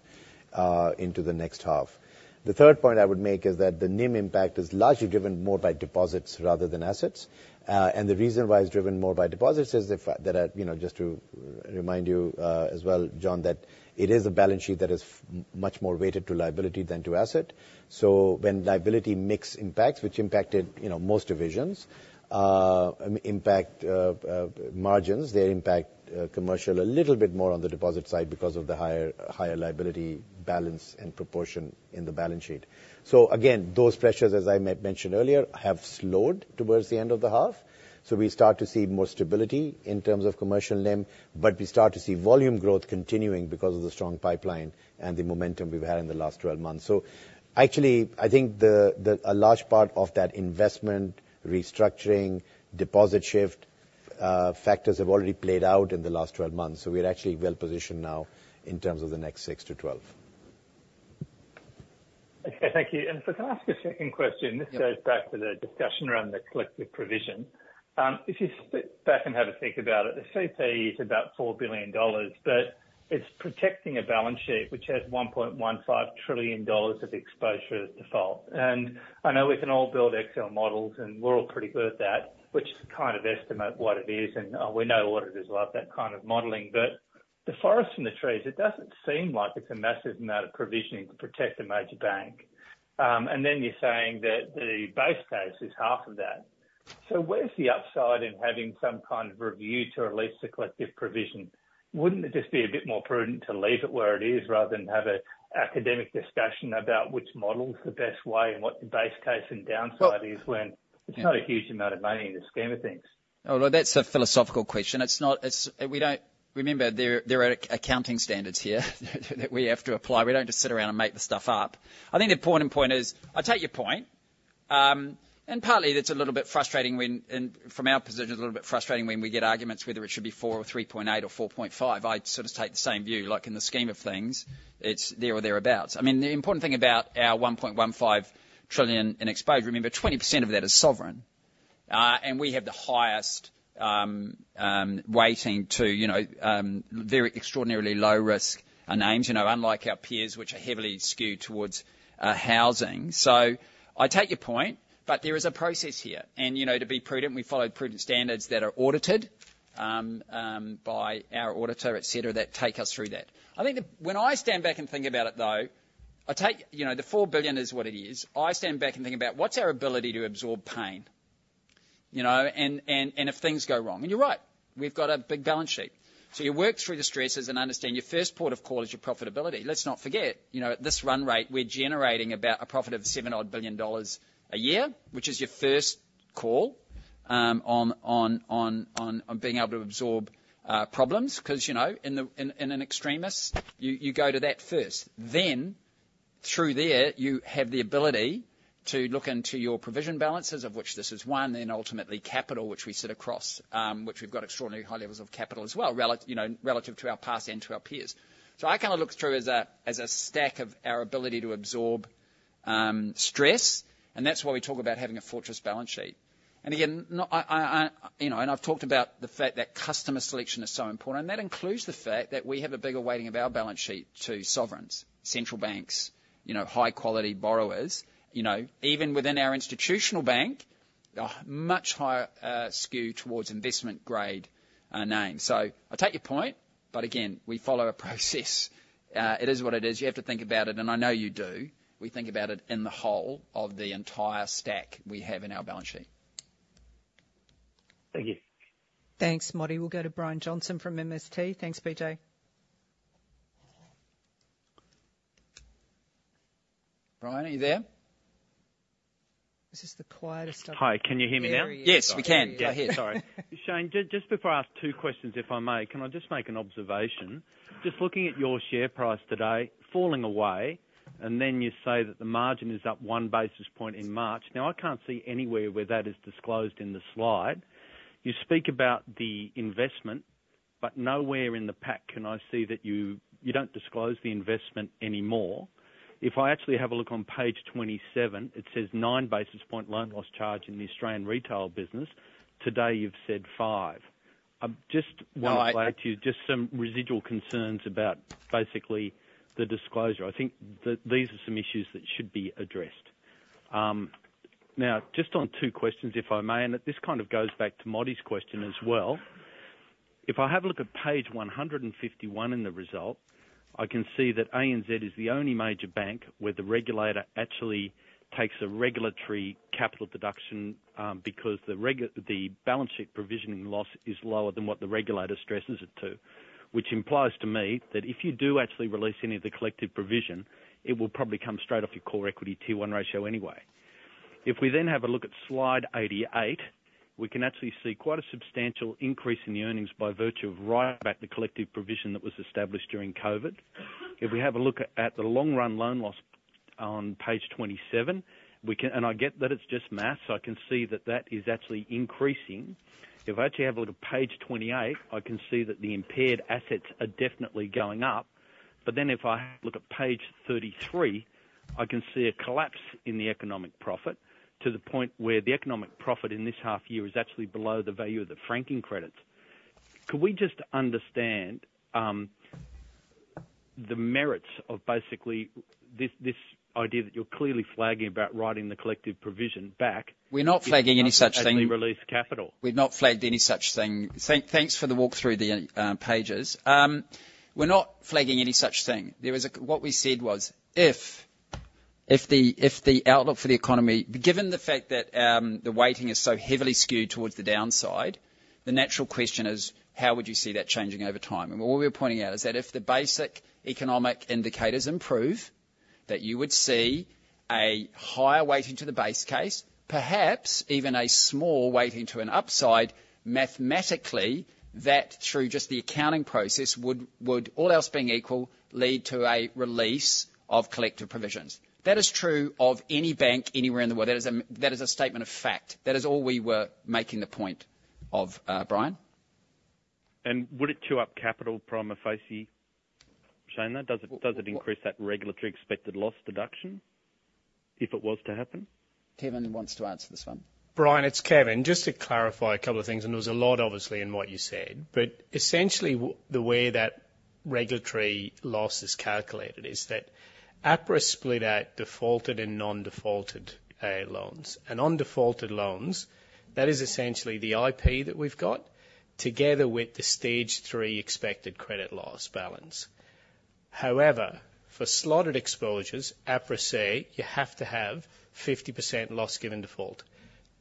into the next half. The third point I would make is that the NIM impact is largely driven more by deposits rather than assets. And the reason why it's driven more by deposits is the fact that, you know, just to remind you, as well, John, that it is a balance sheet that is much more weighted to liability than to asset. So when liability mix impacts, which impacted, you know, most divisions, impact margins, they impact commercial a little bit more on the deposit side because of the higher, higher liability balance and proportion in the balance sheet. So again, those pressures, as I mentioned earlier, have slowed towards the end of the half. So we start to see more stability in terms of commercial NIM, but we start to see volume growth continuing because of the strong pipeline and the momentum we've had in the last 12 months. So actually, I think the a large part of that investment, restructuring, deposit shift factors have already played out in the last 12 months. So we're actually well positioned now in terms of the next six to 12. Okay, thank you. And if I can ask a second question. Yeah. This goes back to the discussion around the collective provision. If you sit back and have a think about it, the CP is about 4 billion dollars, but it's protecting a balance sheet which has 1.15 trillion dollars of exposure to default. And I know we can all build Excel models, and we're all pretty good at that, which kind of estimate what it is, and we know what it is, like that kind of modeling. But the forest and the trees, it doesn't seem like it's a massive amount of provisioning to protect a major bank. And then you're saying that the base case is half of that. So where's the upside in having some kind of review to release the collective provision? Wouldn't it just be a bit more prudent to leave it where it is, rather than have an academic discussion about which model is the best way and what the base case and downside is. Well. When it's not a huge amount of money in the scheme of things? Oh, well, that's a philosophical question. It's... We don't remember, there are accounting standards here, that we have to apply. We don't just sit around and make the stuff up. I think the important point is, I take your point. And partly, it's a little bit frustrating when, and from our position, a little bit frustrating when we get arguments whether it should be 4, or 3.8, or 4.5. I sort of take the same view, like, in the scheme of things, it's there or thereabouts. I mean, the important thing about our 1.15 trillion in exposure, remember, 20% of that is sovereign. And we have the highest weighting to, you know, very extraordinarily low risk names, you know, unlike our peers, which are heavily skewed towards housing. So I take your point, but there is a process here. And, you know, to be prudent, we follow prudent standards that are audited by our auditor, et cetera, that take us through that. I think when I stand back and think about it, though, I take, you know, the 4 billion is what it is. I stand back and think about what's our ability to absorb pain, you know, and if things go wrong. And you're right, we've got a big balance sheet. So you work through the stresses and understand your first port of call is your profitability. Let's not forget, you know, at this run rate, we're generating about a profit of 7 billion dollars a year, which is your first Call on being able to absorb problems, 'cause, you know, in an extremis, you go to that first. Then, through there, you have the ability to look into your provision balances, of which this is one, then ultimately capital, which we sit across, which we've got extraordinary high levels of capital as well, relative to our past and to our peers. So I kind of look through as a stack of our ability to absorb stress, and that's why we talk about having a fortress balance sheet. And again, you know, I've talked about the fact that customer selection is so important, and that includes the fact that we have a bigger weighting of our balance sheet to sovereigns, central banks, you know, high quality borrowers. You know, even within our institutional bank, a much higher skew towards investment grade names. So I take your point, but again, we follow a process. It is what it is. You have to think about it, and I know you do. We think about it in the whole of the entire stack we have in our balance sheet. Thank you. Thanks, Motty. We'll go to Brian Johnson from MST. Thanks, BJ. Brian, are you there? This is the quietest I've. Hi, can you hear me now? Yes, we can. There he is. Sorry. Shayne, just, just before I ask two questions, if I may, can I just make an observation? Just looking at your share price today, falling away, and then you say that the margin is up one basis point in March. Now, I can't see anywhere where that is disclosed in the slide. You speak about the investment, but nowhere in the pack can I see that you... You don't disclose the investment anymore. If I actually have a look on page 27, it says nine basis point loan loss charge in the Australian retail business. Today, you've said five. Just want to flag to you. No, I. Just some residual concerns about basically the disclosure. I think that these are some issues that should be addressed. Now, just on two questions, if I may, and this kind of goes back to Motty's question as well. If I have a look at page 151 in the result, I can see that ANZ is the only major bank where the regulator actually takes a regulatory capital deduction, because the balance sheet provisioning loss is lower than what the regulator stresses it to. Which implies to me, that if you do actually release any of the collective provision, it will probably come straight off your core equity Tier 1 ratio anyway. If we then have a look at slide 88, we can actually see quite a substantial increase in the earnings by virtue of writing back the collective provision that was established during COVID. If we have a look at the long-run loan loss on page 27, we can... And I get that it's just math, so I can see that that is actually increasing. If I actually have a look at page 28, I can see that the impaired assets are definitely going up. But then if I look at page 33, I can see a collapse in the economic profit to the point where the economic profit in this half year is actually below the value of the franking credits. Could we just understand the merits of basically this idea that you're clearly flagging about writing the collective provision back? We're not flagging any such thing. As we release capital. We've not flagged any such thing. Thanks for the walk through the pages. We're not flagging any such thing. What we said was, if the outlook for the economy. Given the fact that the weighting is so heavily skewed towards the downside, the natural question is: How would you see that changing over time? And what we're pointing out is that if the basic economic indicators improve, that you would see a higher weighting to the base case, perhaps even a small weighting to an upside, mathematically, that through just the accounting process, would all else being equal, lead to a release of collective provisions. That is true of any bank anywhere in the world. That is a statement of fact. That is all we were making the point of, Brian. Would it chew up capital prima facie, Shayne, there? Does it, does it increase that regulatory expected loss deduction, if it was to happen? Kevin wants to answer this one. Brian, it's Kevin. Just to clarify a couple of things, and there was a lot obviously in what you said, but essentially, the way that regulatory loss is calculated is that APRA split out defaulted and non-defaulted loans. And on defaulted loans, that is essentially the IP that we've got, together with the stage three expected credit loss balance. However, for slotted exposures, APRA say you have to have 50% loss given default.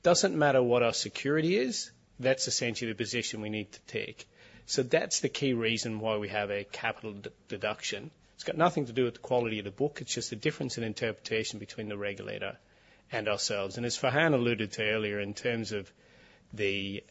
Doesn't matter what our security is, that's essentially the position we need to take. So that's the key reason why we have a capital deduction. It's got nothing to do with the quality of the book, it's just a difference in interpretation between the regulator and ourselves. And as Farhan alluded to earlier, in terms of the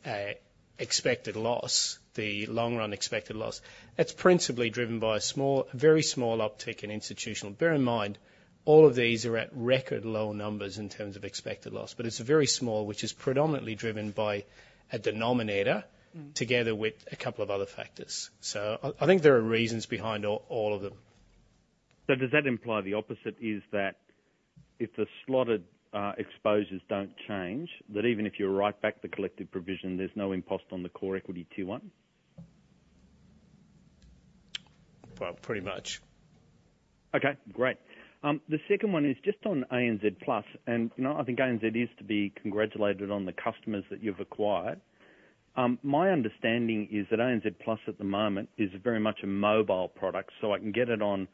expected loss, the long-run expected loss, that's principally driven by a small, a very small uptick in institutional. Bear in mind, all of these are at record low numbers in terms of expected loss. But it's very small, which is predominantly driven by a denominator. Together with a couple of other factors. So I think there are reasons behind all of them. So does that imply the opposite, is that if the slotting exposures don't change, that even if you write back the collective provision, there's no impact on the Core Equity Tier 1? Well, pretty much. Okay, great. The second one is just on ANZ Plus, and, you know, I think ANZ is to be congratulated on the customers that you've acquired. My understanding is that ANZ Plus, at the moment, is very much a mobile product. So I can get it on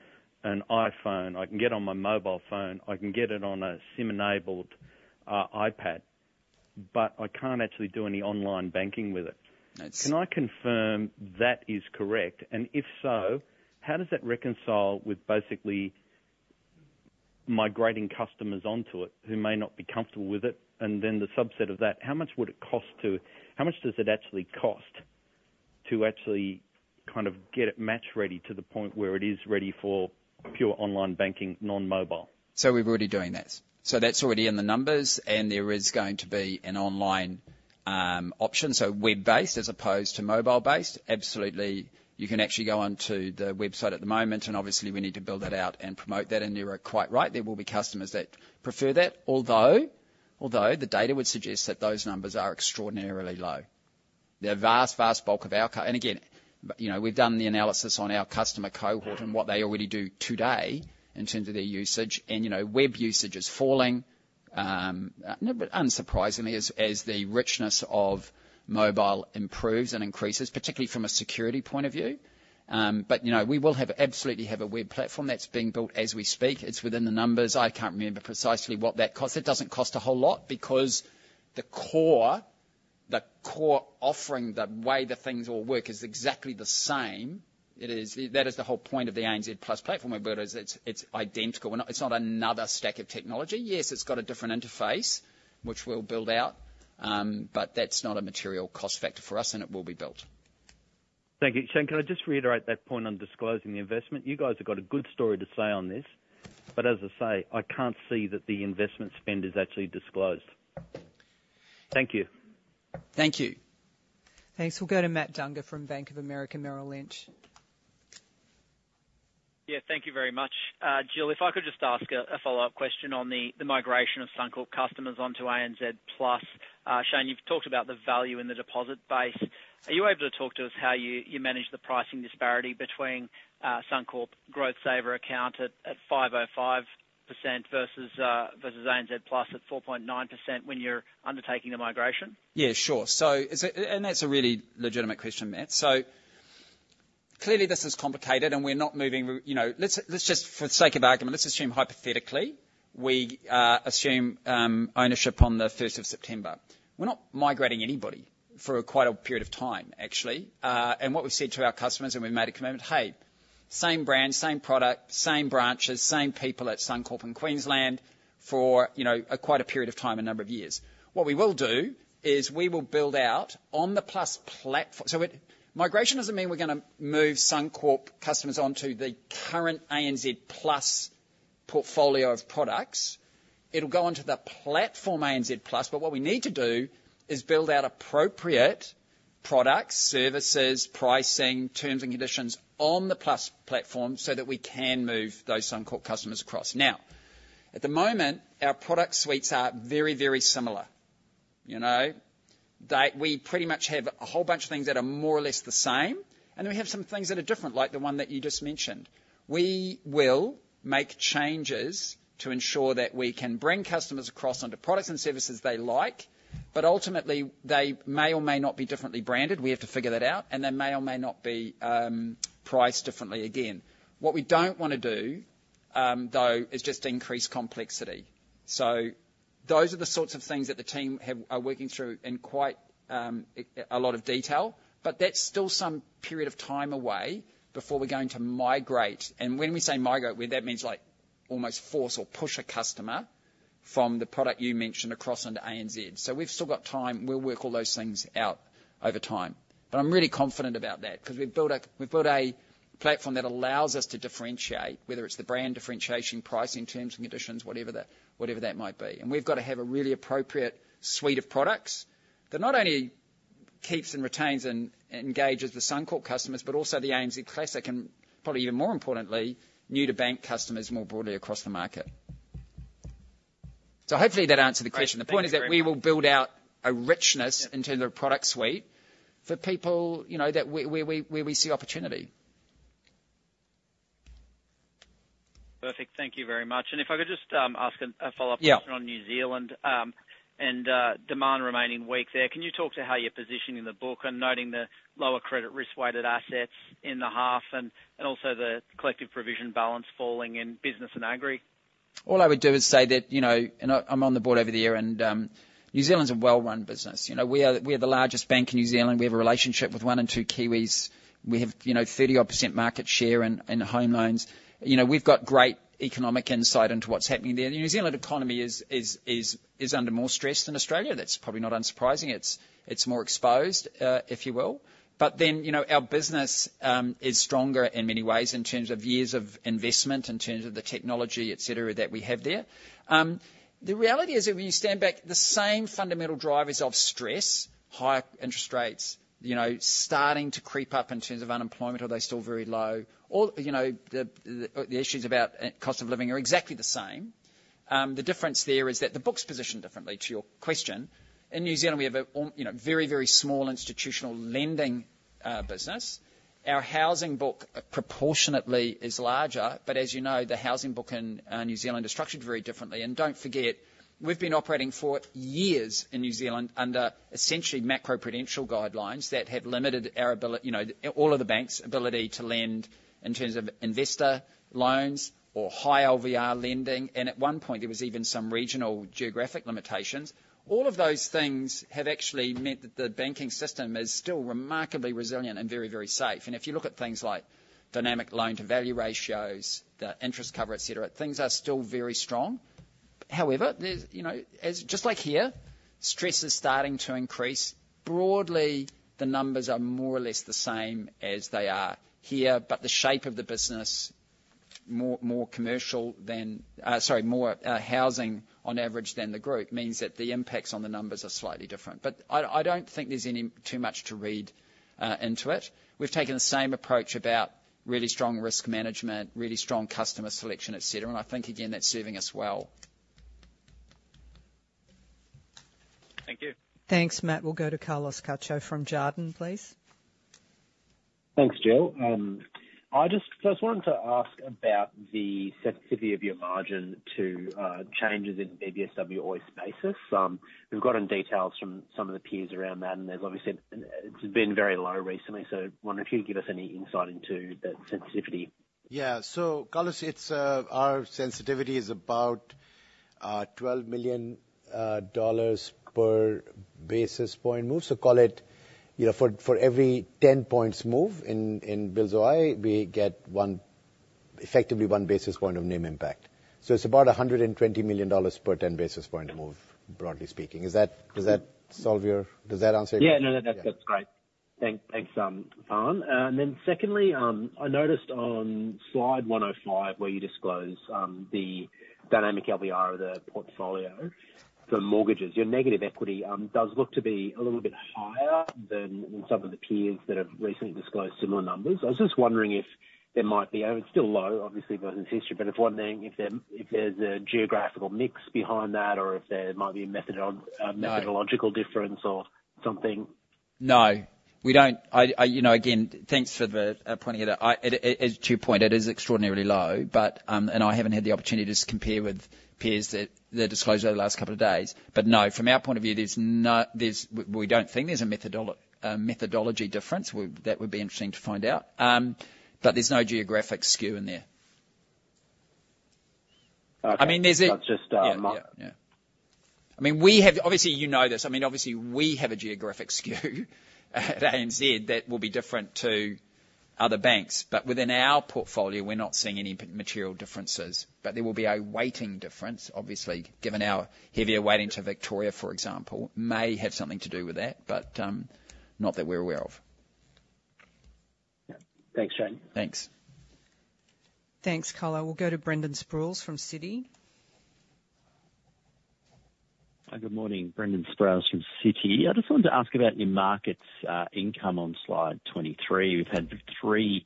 an iPhone, I can get it on my mobile phone, I can get it on a SIM-enabled iPad, but I can't actually do any online banking with it. It's. Can I confirm that is correct? And if so, how does that reconcile with migrating customers onto it who may not be comfortable with it, and then the subset of that, how much does it actually cost to actually kind of get it match ready to the point where it is ready for pure online banking, non-mobile? So we're already doing that. So that's already in the numbers, and there is going to be an online option, so web-based as opposed to mobile-based. Absolutely, you can actually go onto the website at the moment, and obviously, we need to build that out and promote that. And you are quite right, there will be customers that prefer that, although, although the data would suggest that those numbers are extraordinarily low. The vast, vast bulk of our customers and again, you know, we've done the analysis on our customer cohort and what they already do today in terms of their usage. And, you know, web usage is falling, no, but unsurprisingly, as, as the richness of mobile improves and increases, particularly from a security point of view. But, you know, we will absolutely have a web platform that's being built as we speak. It's within the numbers. I can't remember precisely what that cost. It doesn't cost a whole lot because the core, the core offering, the way the things all work is exactly the same. It is... That is the whole point of the ANZ Plus platform, where it's, it's identical. It's not another stack of technology. Yes, it's got a different interface, which we'll build out, but that's not a material cost factor for us, and it will be built. Thank you. Shayne, can I just reiterate that point on disclosing the investment? You guys have got a good story to say on this, but as I say, I can't see that the investment spend is actually disclosed. Thank you. Thank you. Thanks. We'll go to Matthew Dunger from Bank of America Merrill Lynch. Yeah, thank you very much. Jill, if I could just ask a follow-up question on the migration of Suncorp customers onto ANZ Plus. Shayne, you've talked about the value in the deposit base. Are you able to talk to us how you manage the pricing disparity between Suncorp Growth Saver account at 5.05% versus versus ANZ Plus at 4.9% when you're undertaking the migration? Yeah, sure. So is it... and that's a really legitimate question, Matt. So clearly, this is complicated, and we're not moving, you know, let's just, for the sake of argument, let's assume hypothetically, we assume ownership on the first of September. We're not migrating anybody for quite a period of time, actually. And what we've said to our customers, and we've made a commitment, "Hey, same brand, same product, same branches, same people at Suncorp in Queensland for, you know, quite a period of time, a number of years." What we will do is we will build out on the Plus platform—so it, migration doesn't mean we're gonna move Suncorp customers onto the current ANZ Plus portfolio of products. It'll go onto the platform, ANZ Plus, but what we need to do is build out appropriate products, services, pricing, terms and conditions on the Plus platform so that we can move those Suncorp customers across. Now, at the moment, our product suites are very, very similar. You know, they, we pretty much have a whole bunch of things that are more or less the same, and then we have some things that are different, like the one that you just mentioned. We will make changes to ensure that we can bring customers across onto products and services they like, but ultimately, they may or may not be differently branded. We have to figure that out, and they may or may not be, priced differently again. What we don't want to do, though, is just increase complexity. So those are the sorts of things that the team are working through in quite a lot of detail, but that's still some period of time away before we're going to migrate. And when we say migrate, well, that means like almost force or push a customer from the product you mentioned across onto ANZ. So we've still got time. We'll work all those things out over time. But I'm really confident about that because we've built a platform that allows us to differentiate, whether it's the brand differentiation, pricing, terms and conditions, whatever that might be. And we've got to have a really appropriate suite of products that not only keeps and retains and engages the Suncorp customers, but also the ANZ Classic, and probably even more importantly, new to bank customers more broadly across the market. Hopefully that answered the question. Great. Thank you very much. The point is that we will build out a richness Yeah. In terms of product suite for people, you know, that where we see opportunity. Perfect. Thank you very much. And if I could just ask a follow-up question- Yeah. On New Zealand and demand remaining weak there. Can you talk to how you're positioning the book and noting the lower credit risk-weighted assets in the half and also the collective provision balance falling in business and agri? All I would do is say that, you know, and I, I'm on the board over there, and New Zealand's a well-run business. You know, we are the largest bank in New Zealand. We have a relationship with one in two Kiwis. We have, you know, 30-odd% market share in home loans. You know, we've got great economic insight into what's happening there. The New Zealand economy is under more stress than Australia. That's probably not unsurprising. It's more exposed, if you will. But then, you know, our business is stronger in many ways in terms of years of investment, in terms of the technology, et cetera, that we have there. The reality is, if you stand back, the same fundamental drivers of stress, high interest rates, you know, starting to creep up in terms of unemployment, although they're still very low. All, you know, the issues about cost of living are exactly the same. The difference there is that the book's positioned differently to your question. In New Zealand, we have an, you know, very, very small institutional lending business. Our housing book proportionately is larger, but as you know, the housing book in New Zealand is structured very differently. And don't forget, we've been operating for years in New Zealand under essentially macroprudential guidelines that have limited our ability, you know, all of the bank's ability to lend in terms of investor loans or high LVR lending, and at one point, there was even some regional geographic limitations. All of those things have actually meant that the banking system is still remarkably resilient and very, very safe. And if you look at things like dynamic loan-to-value ratios, the interest cover, et cetera, things are still very strong. However, there's, you know, as just like here, stress is starting to increase. Broadly, the numbers are more or less the same as they are here, but the shape of the business, more commercial than, sorry, more housing on average than the group, means that the impacts on the numbers are slightly different. But I don't think there's any too much to read into it. We've taken the same approach about really strong risk management, really strong customer selection, et cetera, and I think, again, that's serving us well. Thank you. Thanks, Matt. We'll go to Carlos Cacho from Jarden, please. Thanks, Jill. I just first wanted to ask about the sensitivity of your margin to changes in BBSW all spaces. We've gotten details from some of the peers around that, and there's obviously it's been very low recently, so wonder if you'd give us any insight into that sensitivity? Yeah. So Carlos, it's our sensitivity is about 12 million dollars per basis point move. So call it, you know, for every 10 points move in Bills-OIS, we get one, effectively one basis point of NIM impact. So it's about 120 million dollars per 10 basis point move, broadly speaking. Is that-- Does that solve your... Does that answer your question? Yeah. No, that's great. Thanks, Farhan. And then secondly, I noticed on slide 105, where you disclose the dynamic LVR of the portfolio for mortgages. Your negative equity does look to be a little bit higher than some of the peers that have recently disclosed similar numbers. I was just wondering if there might be, and it's still low, obviously, but it's history, but I was wondering if there, if there's a geographical mix behind that, or if there might be a methodol. No. A methodological difference or something? No, we don't. You know, again, thanks for pointing it out. To your point, it is extraordinarily low, but, and I haven't had the opportunity to compare with peers that disclosed over the last couple of days. But no, from our point of view, there's no. We don't think there's a methodology difference. Well, that would be interesting to find out. But there's no geographic skew in there. Okay. I mean, there's a. I'll just, Yeah, yeah, yeah. I mean, we have. Obviously, you know this. I mean, obviously, we have a geographic skew at ANZ that will be different to other banks, but within our portfolio, we're not seeing any material differences. But there will be a weighting difference, obviously, given our heavier weighting to Victoria, for example, may have something to do with that, but, not that we're aware of. Yeah. Thanks, Shayne. Thanks. Thanks, Carlos. We'll go to Brendan Sproules from Citi. Hi, good morning, Brendan Sproules from Citi. I just wanted to ask about your markets income on slide 23. You've had three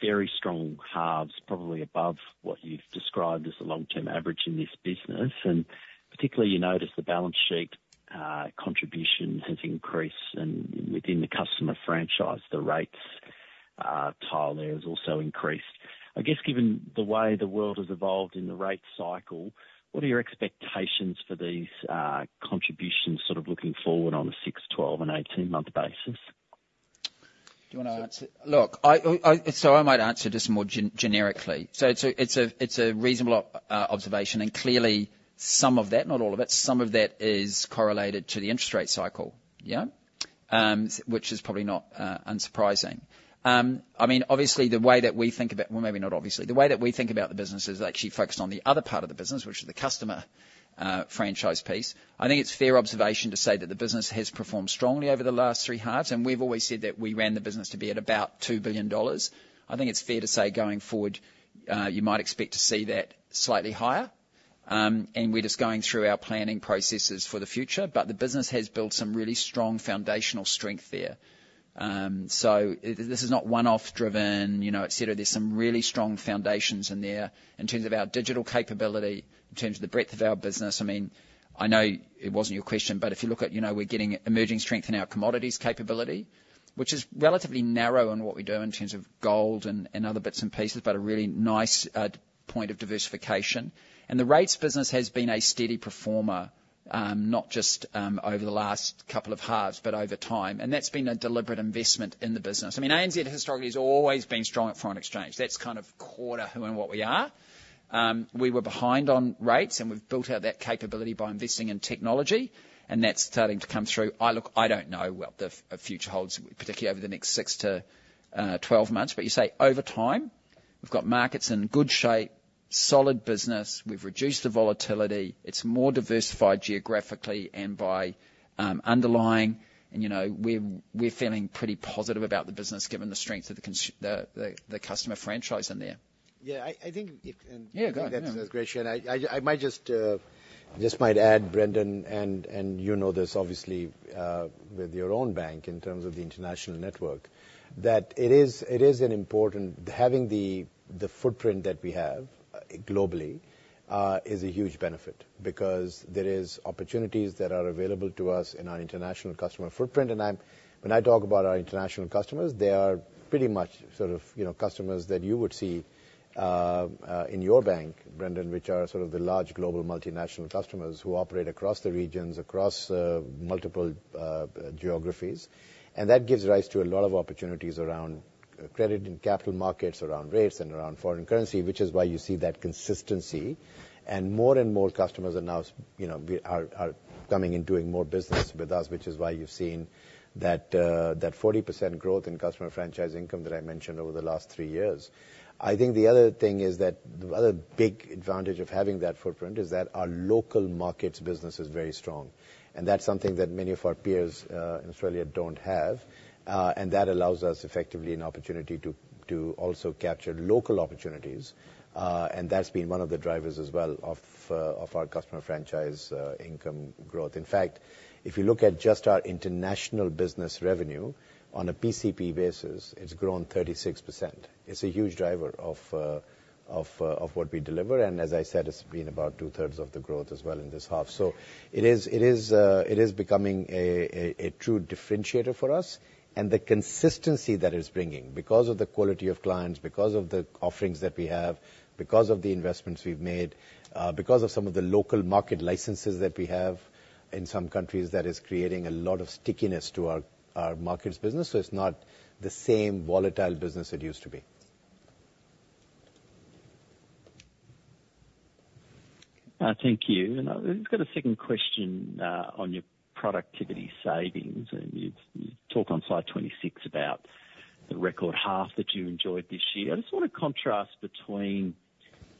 very strong halves, probably above what you've described as the long-term average in this business, and particularly, you notice the balance sheet contribution has increased, and within the customer franchise, the rates tile there has also increased. I guess, given the way the world has evolved in the rate cycle, what are your expectations for these contributions, sort of looking forward on a 6, 12, and 18-month basis? Do you want to answer? Look, so I might answer this more generically. So it's a reasonable observation, and clearly some of that, not all of it, some of that is correlated to the interest rate cycle. Which is probably not unsurprising. I mean, obviously, the way that we think about... Well, maybe not obviously. The way that we think about the business is actually focused on the other part of the business, which is the customer franchise piece. I think it's fair observation to say that the business has performed strongly over the last three halves, and we've always said that we ran the business to be at about 2 billion dollars. I think it's fair to say, going forward, you might expect to see that slightly higher. And we're just going through our planning processes for the future, but the business has built some really strong foundational strength there. So this is not one-off driven, you know, et cetera. There's some really strong foundations in there in terms of our digital capability, in terms of the breadth of our business. I mean, I know it wasn't your question, but if you look at, you know, we're getting emerging strength in our commodities capability, which is relatively narrow in what we do in terms of gold and, and other bits and pieces, but a really nice point of diversification. And the rates business has been a steady performer, not just over the last couple of halves, but over time. And that's been a deliberate investment in the business. I mean, ANZ historically has always been strong at foreign exchange. That's kind of core to who and what we are. We were behind on rates, and we've built out that capability by investing in technology, and that's starting to come through. Look, I don't know what the future holds, particularly over the next 6-12 months. But you say over time, we've got markets in good shape, solid business. We've reduced the volatility. It's more diversified geographically and by underlying, and, you know, we're feeling pretty positive about the business, given the strength of the customer franchise in there. Yeah, I think it. Yeah, go, yeah. That's a great shout. I might just add, Brendan, and you know this obviously, with your own bank in terms of the international network, that it is an important... Having the footprint that we have globally is a huge benefit because there are opportunities that are available to us in our international customer footprint. And I'm, when I talk about our international customers, they are pretty much sort of, you know, customers that you would see in your bank, Brendan, which are sort of the large global multinational customers who operate across the regions, across multiple geographies. And that gives rise to a lot of opportunities around credit and capital markets, around rates and around foreign currency, which is why you see that consistency. More and more customers are now, you know, are coming and doing more business with us, which is why you've seen that 40% growth in customer franchise income that I mentioned over the last three years... I think the other thing is that the other big advantage of having that footprint is that our local markets business is very strong, and that's something that many of our peers in Australia don't have. And that allows us effectively an opportunity to also capture local opportunities. And that's been one of the drivers as well of our customer franchise income growth. In fact, if you look at just our international business revenue on a PCP basis, it's grown 36%. It's a huge driver of what we deliver, and as I said, it's been about two-thirds of the growth as well in this half. So it is becoming a true differentiator for us. And the consistency that it's bringing, because of the quality of clients, because of the offerings that we have, because of the investments we've made, because of some of the local market licenses that we have in some countries, that is creating a lot of stickiness to our markets business. So it's not the same volatile business it used to be. Thank you. We've got a second question on your productivity savings, and you talk on slide 26 about the record half that you enjoyed this year. I just want to contrast between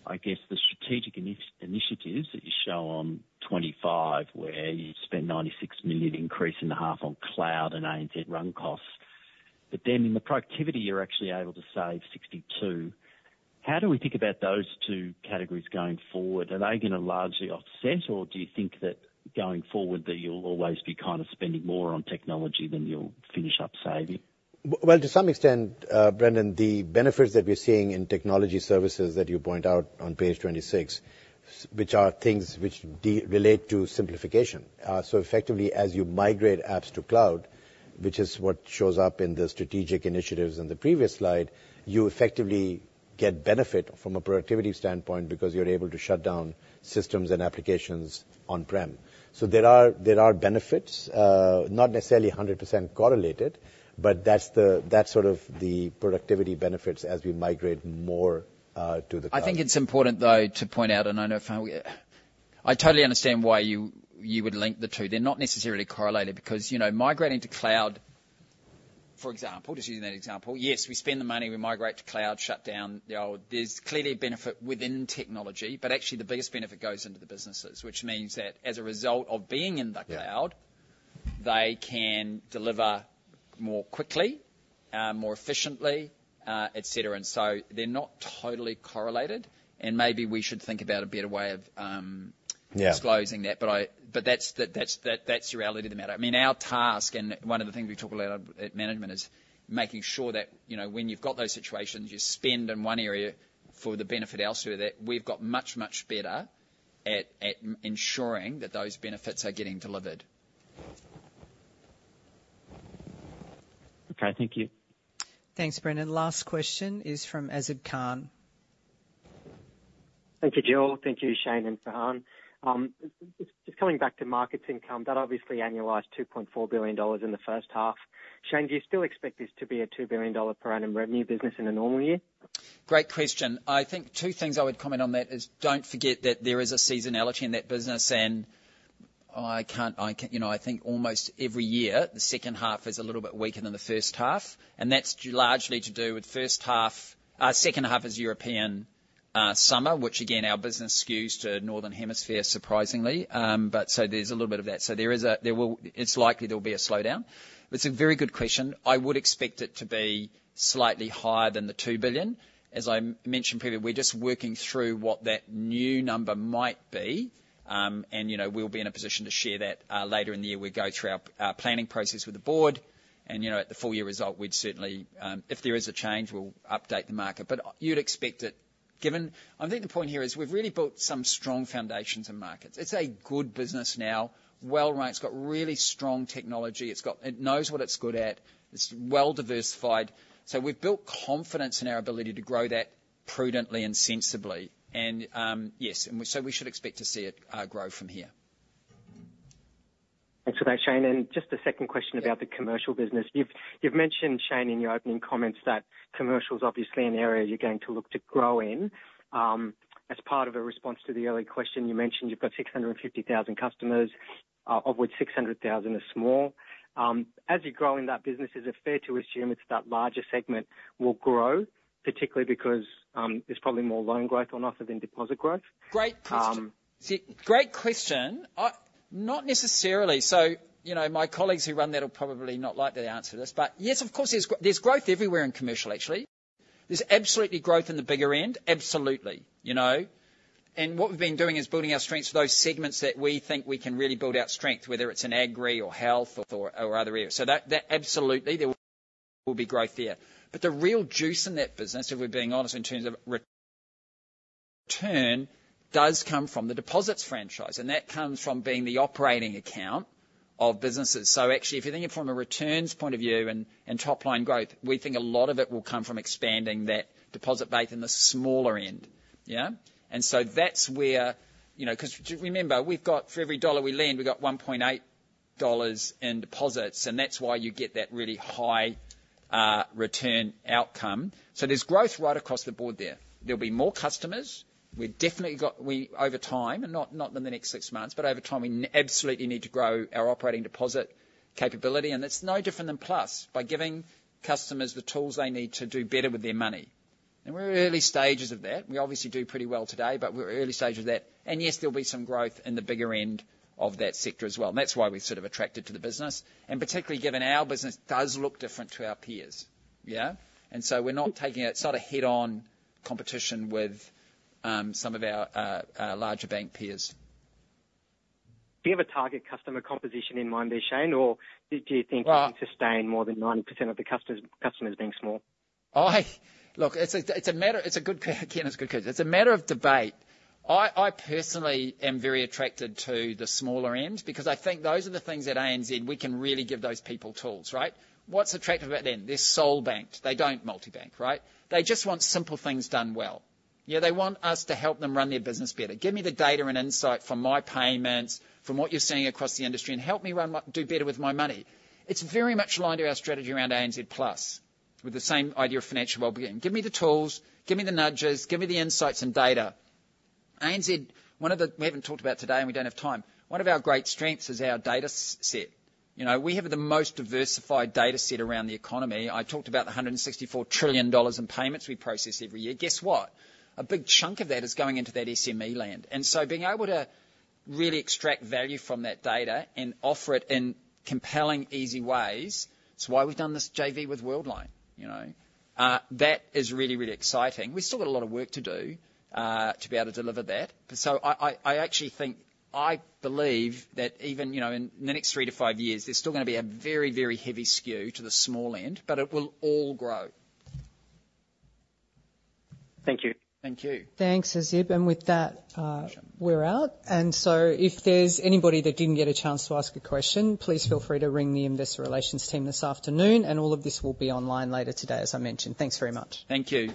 the strategic initiatives that you show on 25, where you spend 96 million increase in the half on cloud and ANZ run costs, but then in the productivity, you're actually able to save 62 million. How do we think about those two categories going forward? Are they going to largely offset, or do you think that going forward, that you'll always be kind of spending more on technology than you'll finish up saving? Well, to some extent, Brendan, the benefits that we're seeing in technology services that you point out on page 26, which are things which relate to simplification. So effectively, as you migrate apps to cloud, which is what shows up in the strategic initiatives in the previous slide, you effectively get benefit from a productivity standpoint because you're able to shut down systems and applications on-prem. So there are benefits, not necessarily 100% correlated, but that's sort of the productivity benefits as we migrate more to the cloud. I think it's important, though, to point out, and I know... I totally understand why you, you would link the two. They're not necessarily correlated because, you know, migrating to cloud, for example, just using that example, yes, we spend the money, we migrate to cloud, shut down the old. There's clearly a benefit within technology, but actually the biggest benefit goes into the businesses, which means that as a result of being in the cloud. Yeah. They can deliver more quickly, more efficiently, et cetera. And so they're not totally correlated, and maybe we should think about a better way of, Yeah. Disclosing that. But that's the reality of the matter. I mean, our task, and one of the things we talk about at management, is making sure that, you know, when you've got those situations, you spend in one area for the benefit elsewhere, that we've got much better at ensuring that those benefits are getting delivered. Okay, thank you. Thanks, Brendan. Last question is from Azib Khan. Thank you, Jill. Thank you, Shayne and Farhan. Just coming back to markets income, that obviously annualized 2.4 billion dollars in the first half. Shayne, do you still expect this to be a 2 billion dollar per annum revenue business in a normal year? Great question. I think two things I would comment on that is, don't forget that there is a seasonality in that business. You know, I think almost every year, the second half is a little bit weaker than the first half, and that's largely to do with first half, second half is European summer, which again, our business skews to Northern Hemisphere, surprisingly. But so there's a little bit of that. So there will be a slowdown. It's likely there will be a slowdown. It's a very good question. I would expect it to be slightly higher than 2 billion. As I mentioned previously, we're just working through what that new number might be. And, you know, we'll be in a position to share that, later in the year, we go through our planning process with the board. You know, at the full year result, we'd certainly, if there is a change, we'll update the market. But you'd expect it, given. I think the point here is we've really built some strong foundations in markets. It's a good business now, well-run. It's got really strong technology. It knows what it's good at. It's well-diversified. So we've built confidence in our ability to grow that prudently and sensibly. Yes, and so we should expect to see it grow from here. Thanks for that, Shayne. And just a second question about the commercial business. You've mentioned, Shayne, in your opening comments, that commercial is obviously an area you're going to look to grow in. As part of a response to the earlier question, you mentioned you've got 650,000 customers, of which 600,000 are small. As you're growing that business, is it fair to assume it's that larger segment will grow, particularly because there's probably more loan growth on offer than deposit growth? Great question. See, great question. Not necessarily. So, you know, my colleagues who run that will probably not like the answer to this, but yes, of course, there's growth everywhere in commercial, actually. There's absolutely growth in the bigger end. Absolutely, you know, and what we've been doing is building our strengths for those segments that we think we can really build out strength, whether it's in agri or health or other areas. So that absolutely, there will be growth there. But the real juice in that business, if we're being honest, in terms of return, does come from the deposits franchise, and that comes from being the operating account of businesses. So actually, if you think it from a returns point of view and, and top-line growth, we think a lot of it will come from expanding that deposit base in the smaller end, yeah? And so that's where... You know, 'cause remember, we've got for every dollar we lend, we've got 1.8 dollars in deposits, and that's why you get that really high return outcome. So there's growth right across the board there. There'll be more customers. We've definitely got we, over time, and not, not in the next six months, but over time, we absolutely need to grow our operating deposit capability, and it's no different than Plus. By giving customers the tools they need to do better with their money... And we're early stages of that. We obviously do pretty well today, but we're early stages of that. And yes, there'll be some growth in the bigger end of that sector as well, and that's why we're sort of attracted to the business, and particularly given our business does look different to our peers. Yeah? And so we're not taking it; it's not a head-on competition with some of our larger bank peers. Do you have a target customer composition in mind there, Shayne? Or do you think- Well- You can sustain more than 90% of the customers, customers being small? Look, it's a matter. It's a good question. Again, it's a good question. It's a matter of debate. I personally am very attracted to the smaller end because I think those are the things at ANZ we can really give those people tools, right? What's attractive about them? They're sole banked. They don't multibank, right? They just want simple things done well. Yeah, they want us to help them run their business better. Give me the data and insight from my payments, from what you're seeing across the industry, and help me do better with my money. It's very much aligned to our strategy around ANZ Plus, with the same idea of financial wellbeing. Give me the tools, give me the nudges, give me the insights and data. ANZ, one of the... We haven't talked about today, and we don't have time. One of our great strengths is our data set. You know, we have the most diversified data set around the economy. I talked about the 164 trillion dollars in payments we process every year. Guess what? A big chunk of that is going into that SME land. And so being able to really extract value from that data and offer it in compelling, easy ways, it's why we've done this JV with Worldline, you know? That is really, really exciting. We've still got a lot of work to do, to be able to deliver that. So I actually think, I believe that even, you know, in the next 3-5 years, there's still gonna be a very, very heavy skew to the small end, but it will all grow. Thank you. Thank you. Thanks, Azib. And with that, we're out. And so if there's anybody that didn't get a chance to ask a question, please feel free to ring the Investor Relations team this afternoon, and all of this will be online later today, as I mentioned. Thanks very much. Thank you.